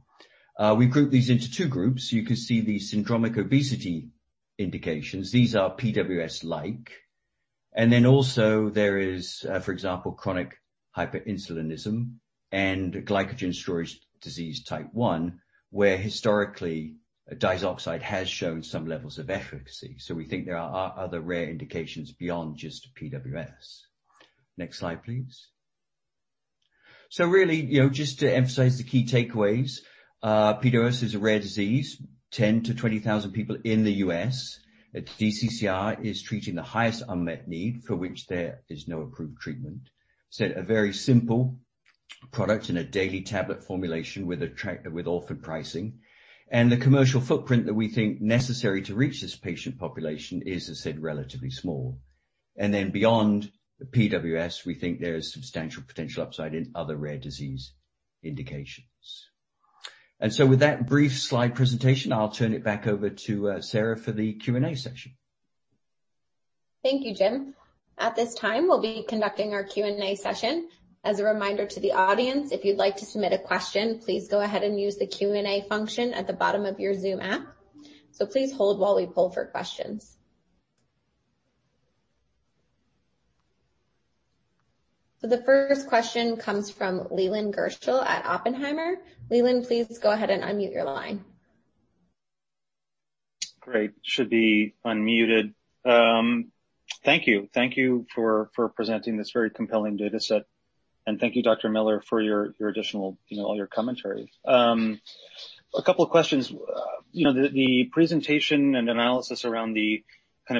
We group these into two groups. You can see the syndromic obesity indications. These are PWS-like. Also there is, for example, chronic hyperinsulinism and glycogen storage disease type I, where historically, diazoxide has shown some levels of efficacy. We think there are other rare indications beyond just PWS. Next slide, please. Really, just to emphasize the key takeaways. PWS is a rare disease, 10,000-20,000 people in the U.S. DCCR is treating the highest unmet need for which there is no approved treatment. A very simple product in a daily tablet formulation with orphan pricing. The commercial footprint that we think necessary to reach this patient population is, as said, relatively small. Beyond the PWS, we think there is substantial potential upside in other rare disease indications. With that brief slide presentation, I'll turn it back over to Sarah for the Q&A session. Thank you, Jim. At this time, we'll be conducting our Q&A session. As a reminder to the audience, if you'd like to submit a question, please go ahead and use the Q&A function at the bottom of your Zoom app. Please hold while we poll for questions. The first question comes from Leland Gershell at Oppenheimer. Leland, please go ahead and unmute your line. Great. Should be unmuted. Thank you. Thank you for presenting this very compelling data set. Thank you, Dr. Miller, for all your commentary. A couple of questions. The presentation and analysis around the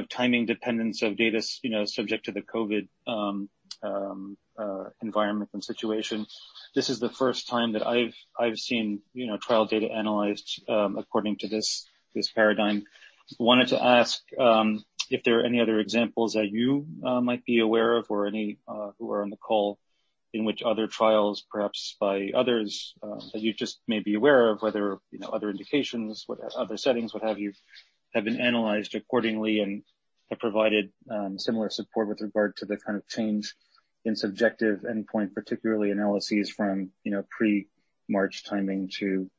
timing dependence of data subject to the COVID environment and situation. This is the first time that I've seen trial data analyzed according to this paradigm. Wanted to ask if there are any other examples that you might be aware of or any who are on the call in which other trials, perhaps by others that you just may be aware of, whether other indications, other settings, what have you, have been analyzed accordingly and have provided similar support with regard to the kind of change in subjective endpoint, particularly analyses from pre-March timing to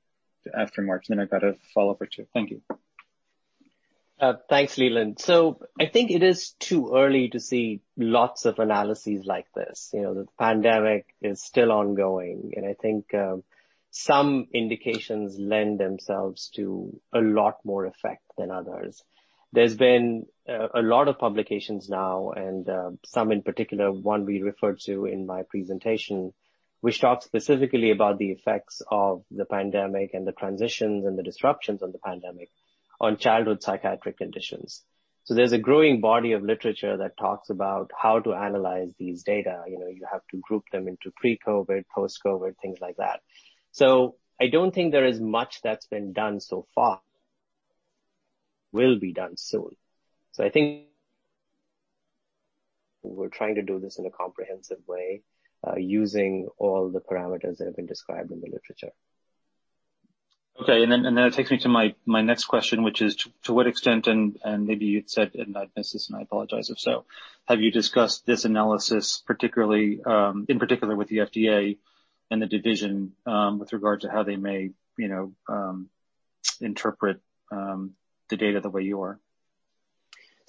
after March? I've got a follow-up or two. Thank you. Thanks, Leland. I think it is too early to see lots of analyses like this. The pandemic is still ongoing, and I think some indications lend themselves to a lot more effect than others. There's been a lot of publications now, and some in particular, one we referred to in my presentation, which talks specifically about the effects of the pandemic and the transitions and the disruptions of the pandemic on childhood psychiatric conditions. There's a growing body of literature that talks about how to analyze these data. You have to group them into pre-COVID, post-COVID, things like that. I don't think there is much that's been done so far. Will be done soon. We're trying to do this in a comprehensive way, using all the parameters that have been described in the literature. Okay. Then it takes me to my next question, which is to what extent, and maybe you'd said and I'd missed this, and I apologize if so, have you discussed this analysis in particular with the FDA and the division, with regard to how they may interpret the data the way you are?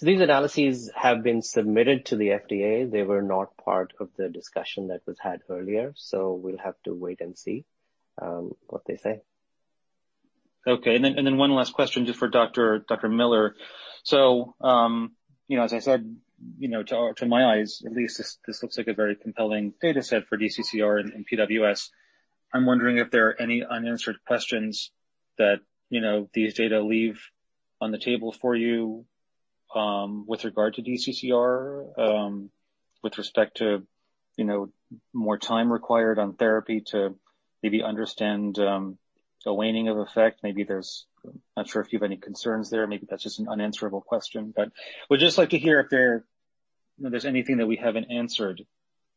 These analyses have been submitted to the FDA. They were not part of the discussion that was had earlier. We'll have to wait and see what they say. Okay, one last question, just for Dr. Miller. As I said, to my eyes, at least, this looks like a very compelling data set for DCCR and PWS. I'm wondering if there are any unanswered questions that these data leave on the table for you with regard to DCCR, with respect to more time required on therapy to maybe understand the waning of effect. Not sure if you have any concerns there. Maybe that's just an unanswerable question. Would just like to hear if there's anything that we haven't answered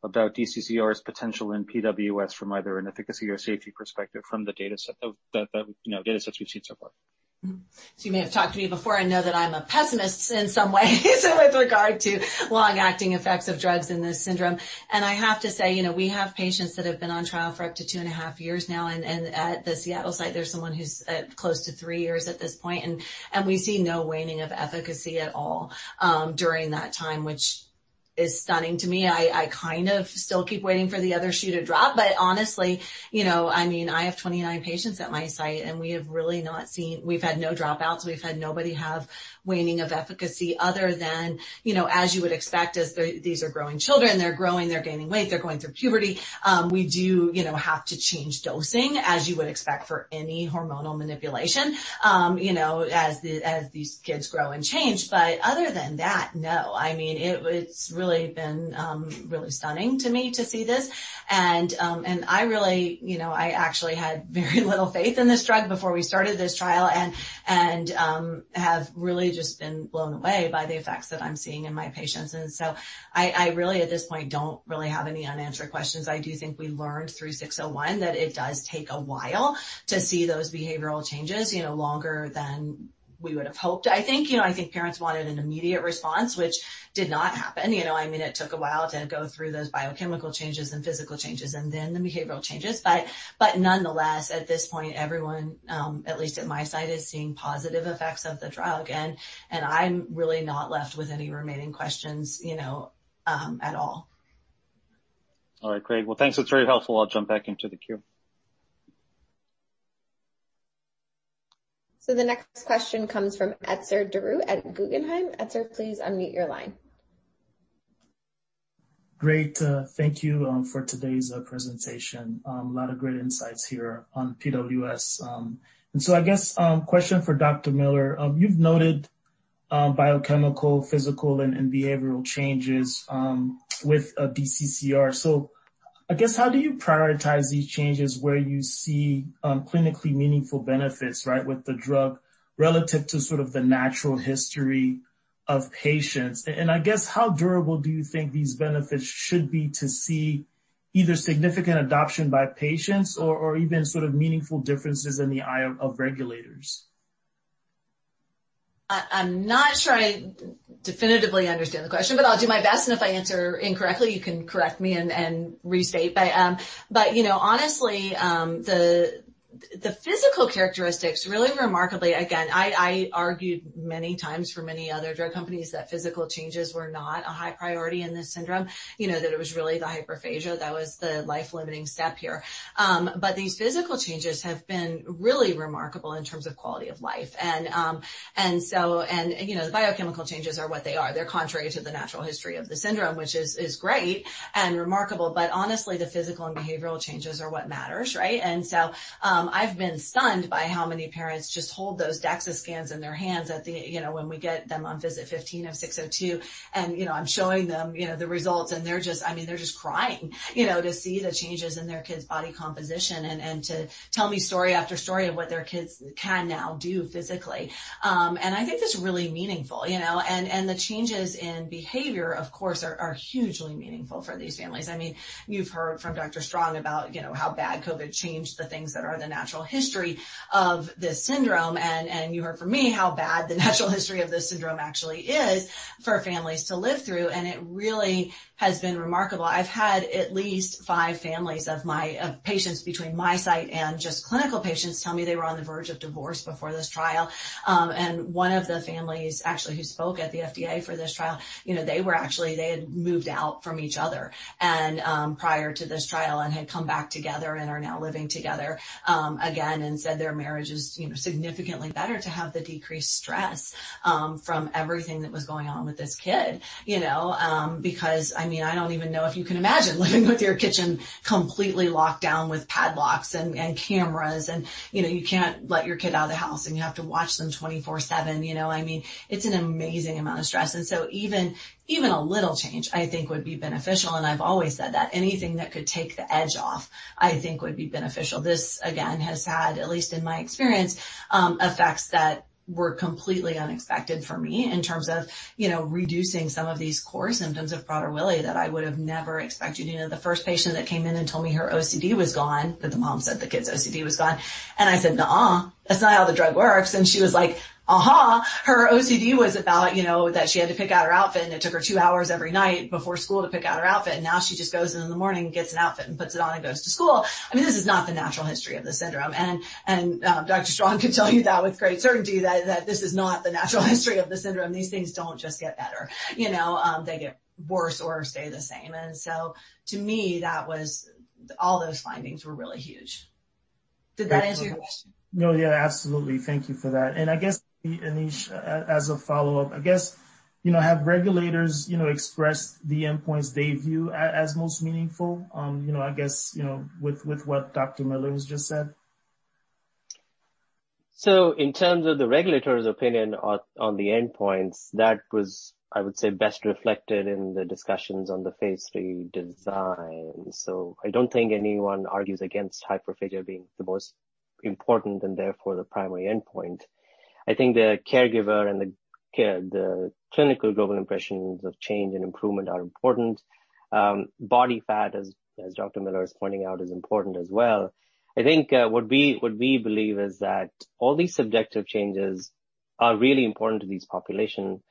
about DCCR's potential in PWS from either an efficacy or safety perspective from the data sets we've seen so far? You may have talked to me before and know that I'm a pessimist in some ways with regard to long-acting effects of drugs in this syndrome. I have to say, we have patients that have been on trial for up to two and a half years now, and at the Seattle site, there's someone who's close to three years at this point, and we see no waning of efficacy at all during that time, which is stunning to me. I kind of still keep waiting for the other shoe to drop. Honestly, I have 29 patients at my site, and we've had no dropouts. We've had nobody have waning of efficacy other than as you would expect, as these are growing children. They're growing, they're gaining weight, they're going through puberty. We do have to change dosing, as you would expect for any hormonal manipulation as these kids grow and change. Other than that, no. It's really been stunning to me to see this. I actually had very little faith in this drug before we started this trial and have really just been blown away by the effects that I'm seeing in my patients. I really, at this point, don't really have any unanswered questions. I do think we learned through C601 that it does take a while to see those behavioral changes, longer than we would've hoped. I think parents wanted an immediate response, which did not happen. It took a while to go through those biochemical changes and physical changes and then the behavioral changes. Nonetheless, at this point, everyone, at least at my site, is seeing positive effects of the trial again, and I'm really not left with any remaining questions at all. All right, great. Thanks. That's very helpful. I'll jump back into the queue. The next question comes from Etzer Darout at Guggenheim. Etzer, please unmute your line. Great. Thank you for today's presentation. A lot of great insights here on PWS. I guess, question for Dr. Miller. You've noted biochemical, physical, and behavioral changes with DCCR. I guess, how do you prioritize these changes where you see clinically meaningful benefits with the drug relative to sort of the natural history of patients? I guess, how durable do you think these benefits should be to see either significant adoption by patients or even sort of meaningful differences in the eye of regulators? I'm not sure I definitively understand the question, but I'll do my best, and if I answer incorrectly, you can correct me and restate. Honestly, the physical characteristics, really remarkably, again, I argued many times for many other drug companies that physical changes were not a high priority in this syndrome. That it was really the hyperphagia that was the life-limiting step here. These physical changes have been really remarkable in terms of quality of life. The biochemical changes are what they are. They're contrary to the natural history of the syndrome, which is great and remarkable, but honestly, the physical and behavioral changes are what matters, right? I've been stunned by how many parents just hold those DEXA scans in their hands when we get them on visit 15 of C602 and I'm showing them the results, and they're just crying to see the changes in their kid's body composition and to tell me story after story of what their kids can now do physically. I think that's really meaningful. The changes in behavior, of course, are hugely meaningful for these families. You've heard from Dr. Strong about how bad COVID changed the things that are the natural history of this syndrome, and you heard from me how bad the natural history of this syndrome actually is for families to live through, and it really has been remarkable. I've had at least five families of patients between my site and just clinical patients tell me they were on the verge of divorce before this trial. One of the families actually who spoke at the FDA for this trial, they had moved out from each other prior to this trial and had come back together and are now living together again and said their marriage is significantly better to have the decreased stress from everything that was going on with this kid. Because I don't even know if you can imagine living with your kitchen completely locked down with padlocks and cameras, and you can't let your kid out of the house, and you have to watch them 24/7. It's an amazing amount of stress. Even a little change, I think, would be beneficial, and I've always said that. Anything that could take the edge off, I think, would be beneficial. This, again, has had, at least in my experience, effects that were completely unexpected for me in terms of reducing some of these core symptoms of Prader-Willi that I would've never expected. The first patient that came in and told me her OCD was gone, or the mom said the kid's OCD was gone. I said, "Nuh-uh, that's not how the drug works." She was like, "Uh-huh." Her OCD was about that she had to pick out her outfit, and it took her two hours every night before school to pick out her outfit. Now she just goes in in the morning, gets an outfit, and puts it on and goes to school. This is not the natural history of the syndrome. Dr. Strong could tell you that with great certainty that this is not the natural history of the syndrome. These things don't just get better. They get worse or stay the same. All those findings were really huge. Did that answer your question? No, yeah, absolutely. Thank you for that. I guess, Anish, as a follow-up, have regulators expressed the endpoints they view as most meaningful? I guess, with what Dr. Miller has just said. In terms of the regulator's opinion on the endpoints, that was, I would say, best reflected in the discussions on the phase 3 design. I don't think anyone argues against hyperphagia being the most important, and therefore, the primary endpoint. I think the caregiver and the clinical global impressions of change and improvement are important. Body fat, as Dr. Miller is pointing out, is important as well. I think what we believe is that all these subjective changes are really important to these populations,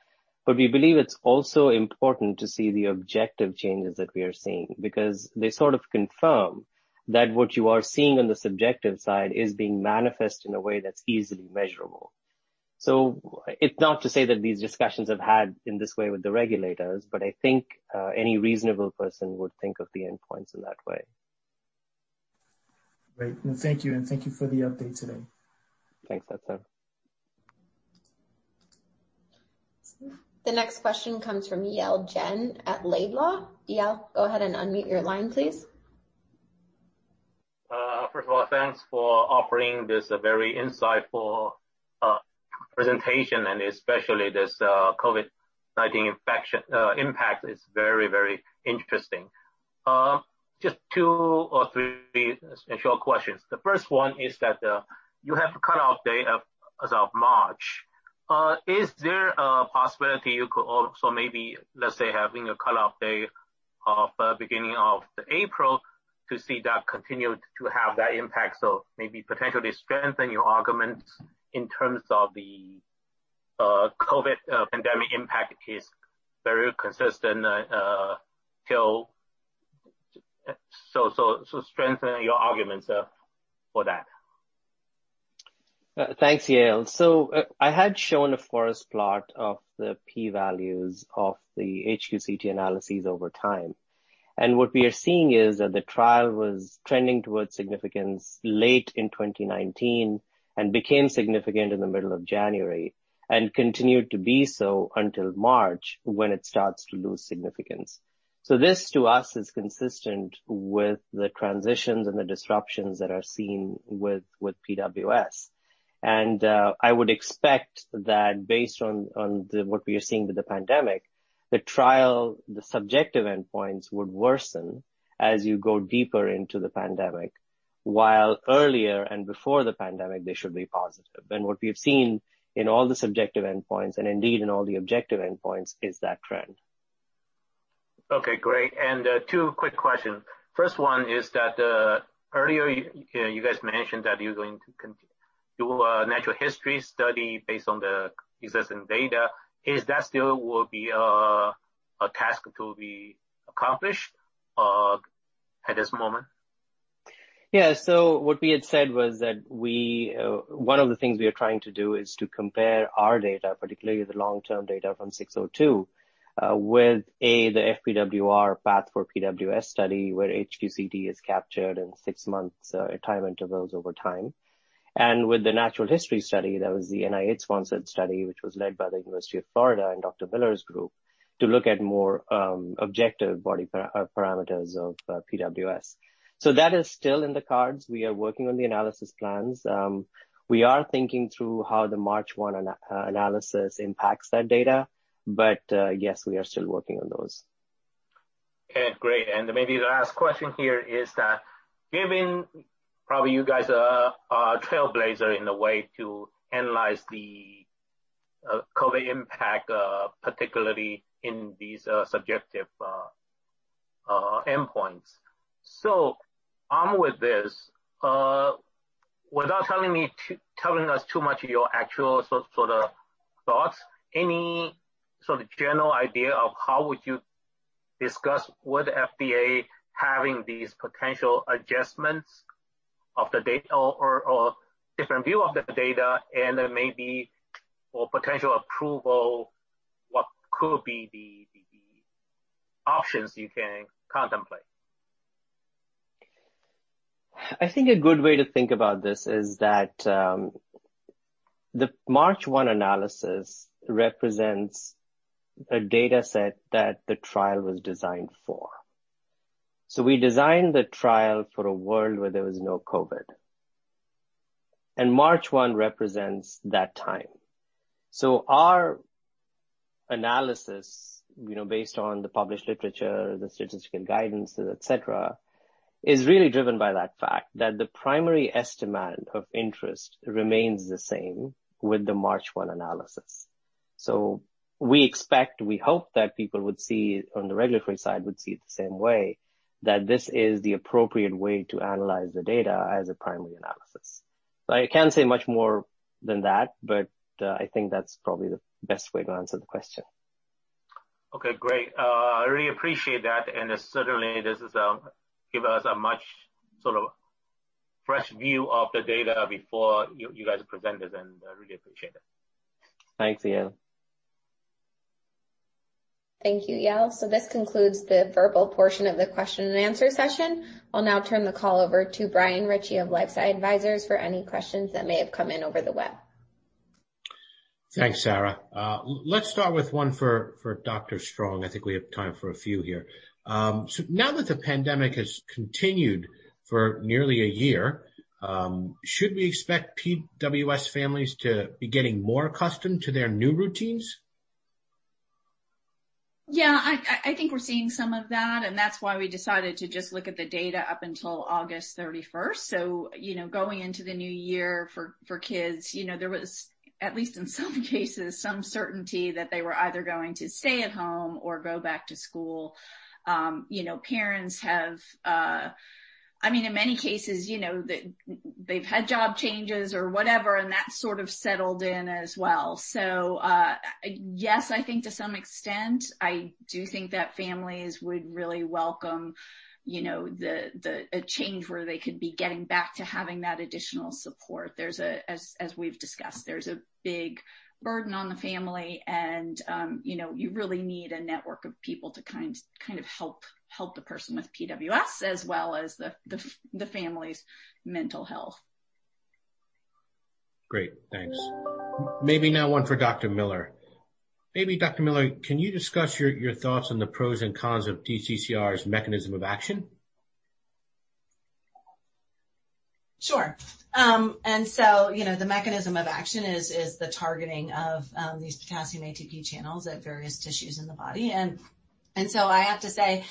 but we believe it's also important to see the objective changes that we are seeing, because they sort of confirm that what you are seeing on the subjective side is being manifest in a way that's easily measurable. It's not to say that these discussions I've had in this way with the regulators, but I think any reasonable person would think of the endpoints in that way. Great. Well, thank you, and thank you for the update today. Thanks, Etzer. The next question comes from Yale Jen at Laidlaw. Yale, go ahead and unmute your line, please. First of all, thanks for offering this very insightful presentation, and especially this COVID-19 impact. It's very interesting. Just two or three short questions. The first one is that you have a cutoff date as of March. Is there a possibility you could also maybe, let's say, having a cutoff date of beginning of the April to see that continued to have that impact? Maybe potentially strengthen your argument in terms of the COVID pandemic impact is very consistent, so strengthening your arguments for that. Thanks, Yale. I had shown a forest plot of the P values of the HQ-CT analyses over time. What we are seeing is that the trial was trending towards significance late in 2019 and became significant in the middle of January, and continued to be so until March, when it starts to lose significance. This, to us, is consistent with the transitions and the disruptions that are seen with PWS. I would expect that based on what we are seeing with the pandemic, the trial, the subjective endpoints would worsen as you go deeper into the pandemic. While earlier and before the pandemic, they should be positive. What we've seen in all the subjective endpoints, and indeed in all the objective endpoints, is that trend. Okay, great. Two quick questions. First one is that earlier you guys mentioned that you're going to do a natural history study based on the existing data. Is that still will be a task to be accomplished at this moment? What we had said was that one of the things we are trying to do is to compare our data, particularly the long-term data from C602, with the FPWR, PATH for PWS study, where HQ-CT is captured in six months time intervals over time. With the natural history study, that was the NIH-sponsored study, which was led by the University of Florida and Dr. Miller's group, to look at more objective body parameters of PWS. That is still in the cards. We are working on the analysis plans. We are thinking through how the March 1 analysis impacts that data. Yes, we are still working on those. Okay, great. Maybe the last question here is that given probably you guys are a trailblazer in the way to analyze the COVID impact, particularly in these subjective endpoints. On with this, without telling us too much of your actual sort of thoughts, any sort of general idea of how would you discuss with FDA having these potential adjustments of the data or different view of the data and maybe for potential approval, what could be the options you can contemplate? I think a good way to think about this is that the March 1 analysis represents a data set that the trial was designed for. We designed the trial for a world where there was no COVID, and March 1 represents that time. Our analysis, based on the published literature, the statistical guidances, et cetera, is really driven by that fact, that the primary estimate of interest remains the same with the March 1 analysis. We expect, we hope that people on the regulatory side would see it the same way, that this is the appropriate way to analyze the data as a primary analysis. I can't say much more than that, but I think that's probably the best way to answer the question. Okay, great. I really appreciate that. Certainly this has given us a much sort of fresh view of the data before you guys present this, and I really appreciate it. Thanks, Yale. Thank you, Yale. This concludes the verbal portion of the question-and-answer session. I'll now turn the call over to Brian Ritchie of LifeSci Advisors for any questions that may have come in over the web. Thanks, Sarah. Let's start with one for Dr. Strong. I think we have time for a few here. Now that the pandemic has continued for nearly a year, should we expect PWS families to be getting more accustomed to their new routines? Yeah. I think we're seeing some of that, and that's why we decided to just look at the data up until August 31st. Going into the new year for kids, there was, at least in some cases, some certainty that they were either going to stay at home or go back to school. Parents have, in many cases, they've had job changes or whatever, and that sort of settled in as well. Yes, I think to some extent, I do think that families would really welcome a change where they could be getting back to having that additional support. As we've discussed, there's a big burden on the family, and you really need a network of people to help the person with PWS as well as the family's mental health. Great. Thanks. Maybe now one for Dr. Miller. Maybe Dr. Miller, can you discuss your thoughts on the pros and cons of DCCR's mechanism of action? Sure. The mechanism of action is the targeting of these potassium ATP channels at various tissues in the body. I have to say,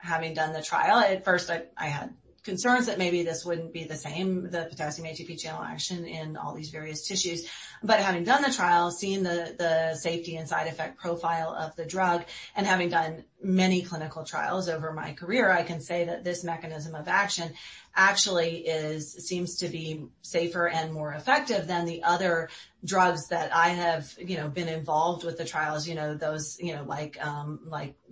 having done the trial, at first, I had concerns that maybe this wouldn't be the same, the potassium ATP channel action in all these various tissues. Having done the trial, seeing the safety and side effect profile of the drug, and having done many clinical trials over my career, I can say that this mechanism of action actually seems to be safer and more effective than the other drugs that I have been involved with the trials, those like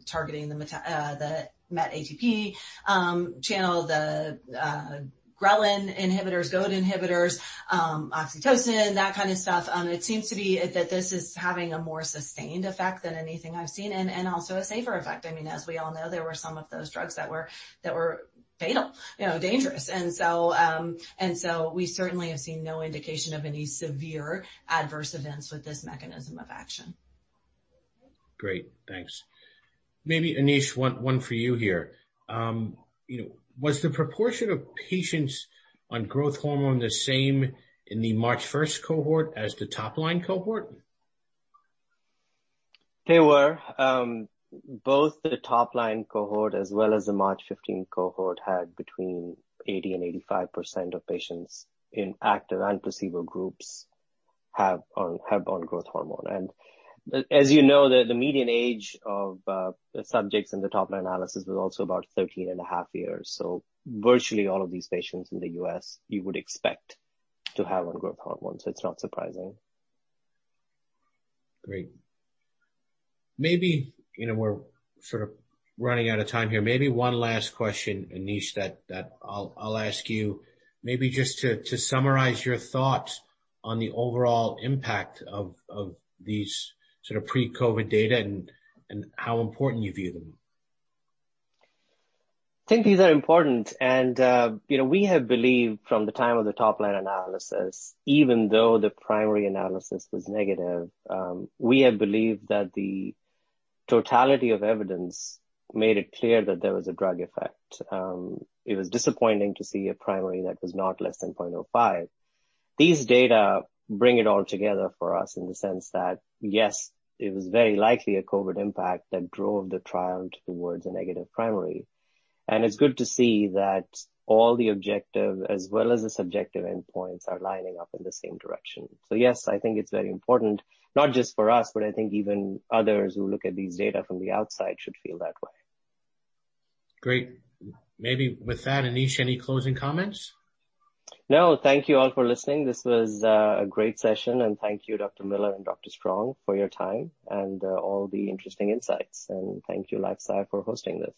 targeting the channel, the ghrelin inhibitors, GOAT inhibitors, oxytocin, that kind of stuff. It seems to be that this is having a more sustained effect than anything I've seen, and also a safer effect. As we all know, there were some of those drugs that were fatal, dangerous. We certainly have seen no indication of any severe adverse events with this mechanism of action. Great. Thanks. Maybe Anish, one for you here. Was the proportion of patients on growth hormone the same in the March 1st cohort as the top-line cohort? They were. Both the top-line cohort as well as the March 15 cohort had between 80% and 85% of patients in active and placebo groups have on growth hormone. As you know, the median age of the subjects in the top-line analysis was also about 13 and a half years. Virtually all of these patients in the U.S. you would expect to have on growth hormone. It's not surprising. Great. We're sort of running out of time here. Maybe one last question, Anish, that I'll ask you. Maybe just to summarize your thoughts on the overall impact of these sort of pre-COVID data and how important you view them. I think these are important. We have believed from the time of the top-line analysis, even though the primary analysis was negative, we have believed that the totality of evidence made it clear that there was a drug effect. It was disappointing to see a primary that was not less than 0.05. These data bring it all together for us in the sense that, yes, it was very likely a COVID impact that drove the trial towards a negative primary. It's good to see that all the objective as well as the subjective endpoints are lining up in the same direction. Yes, I think it's very important, not just for us, but I think even others who look at these data from the outside should feel that way. Great. Maybe with that, Anish, any closing comments? No. Thank you all for listening. This was a great session. Thank you, Dr. Miller and Dr. Strong, for your time and all the interesting insights. Thank you, LifeSci, for hosting this.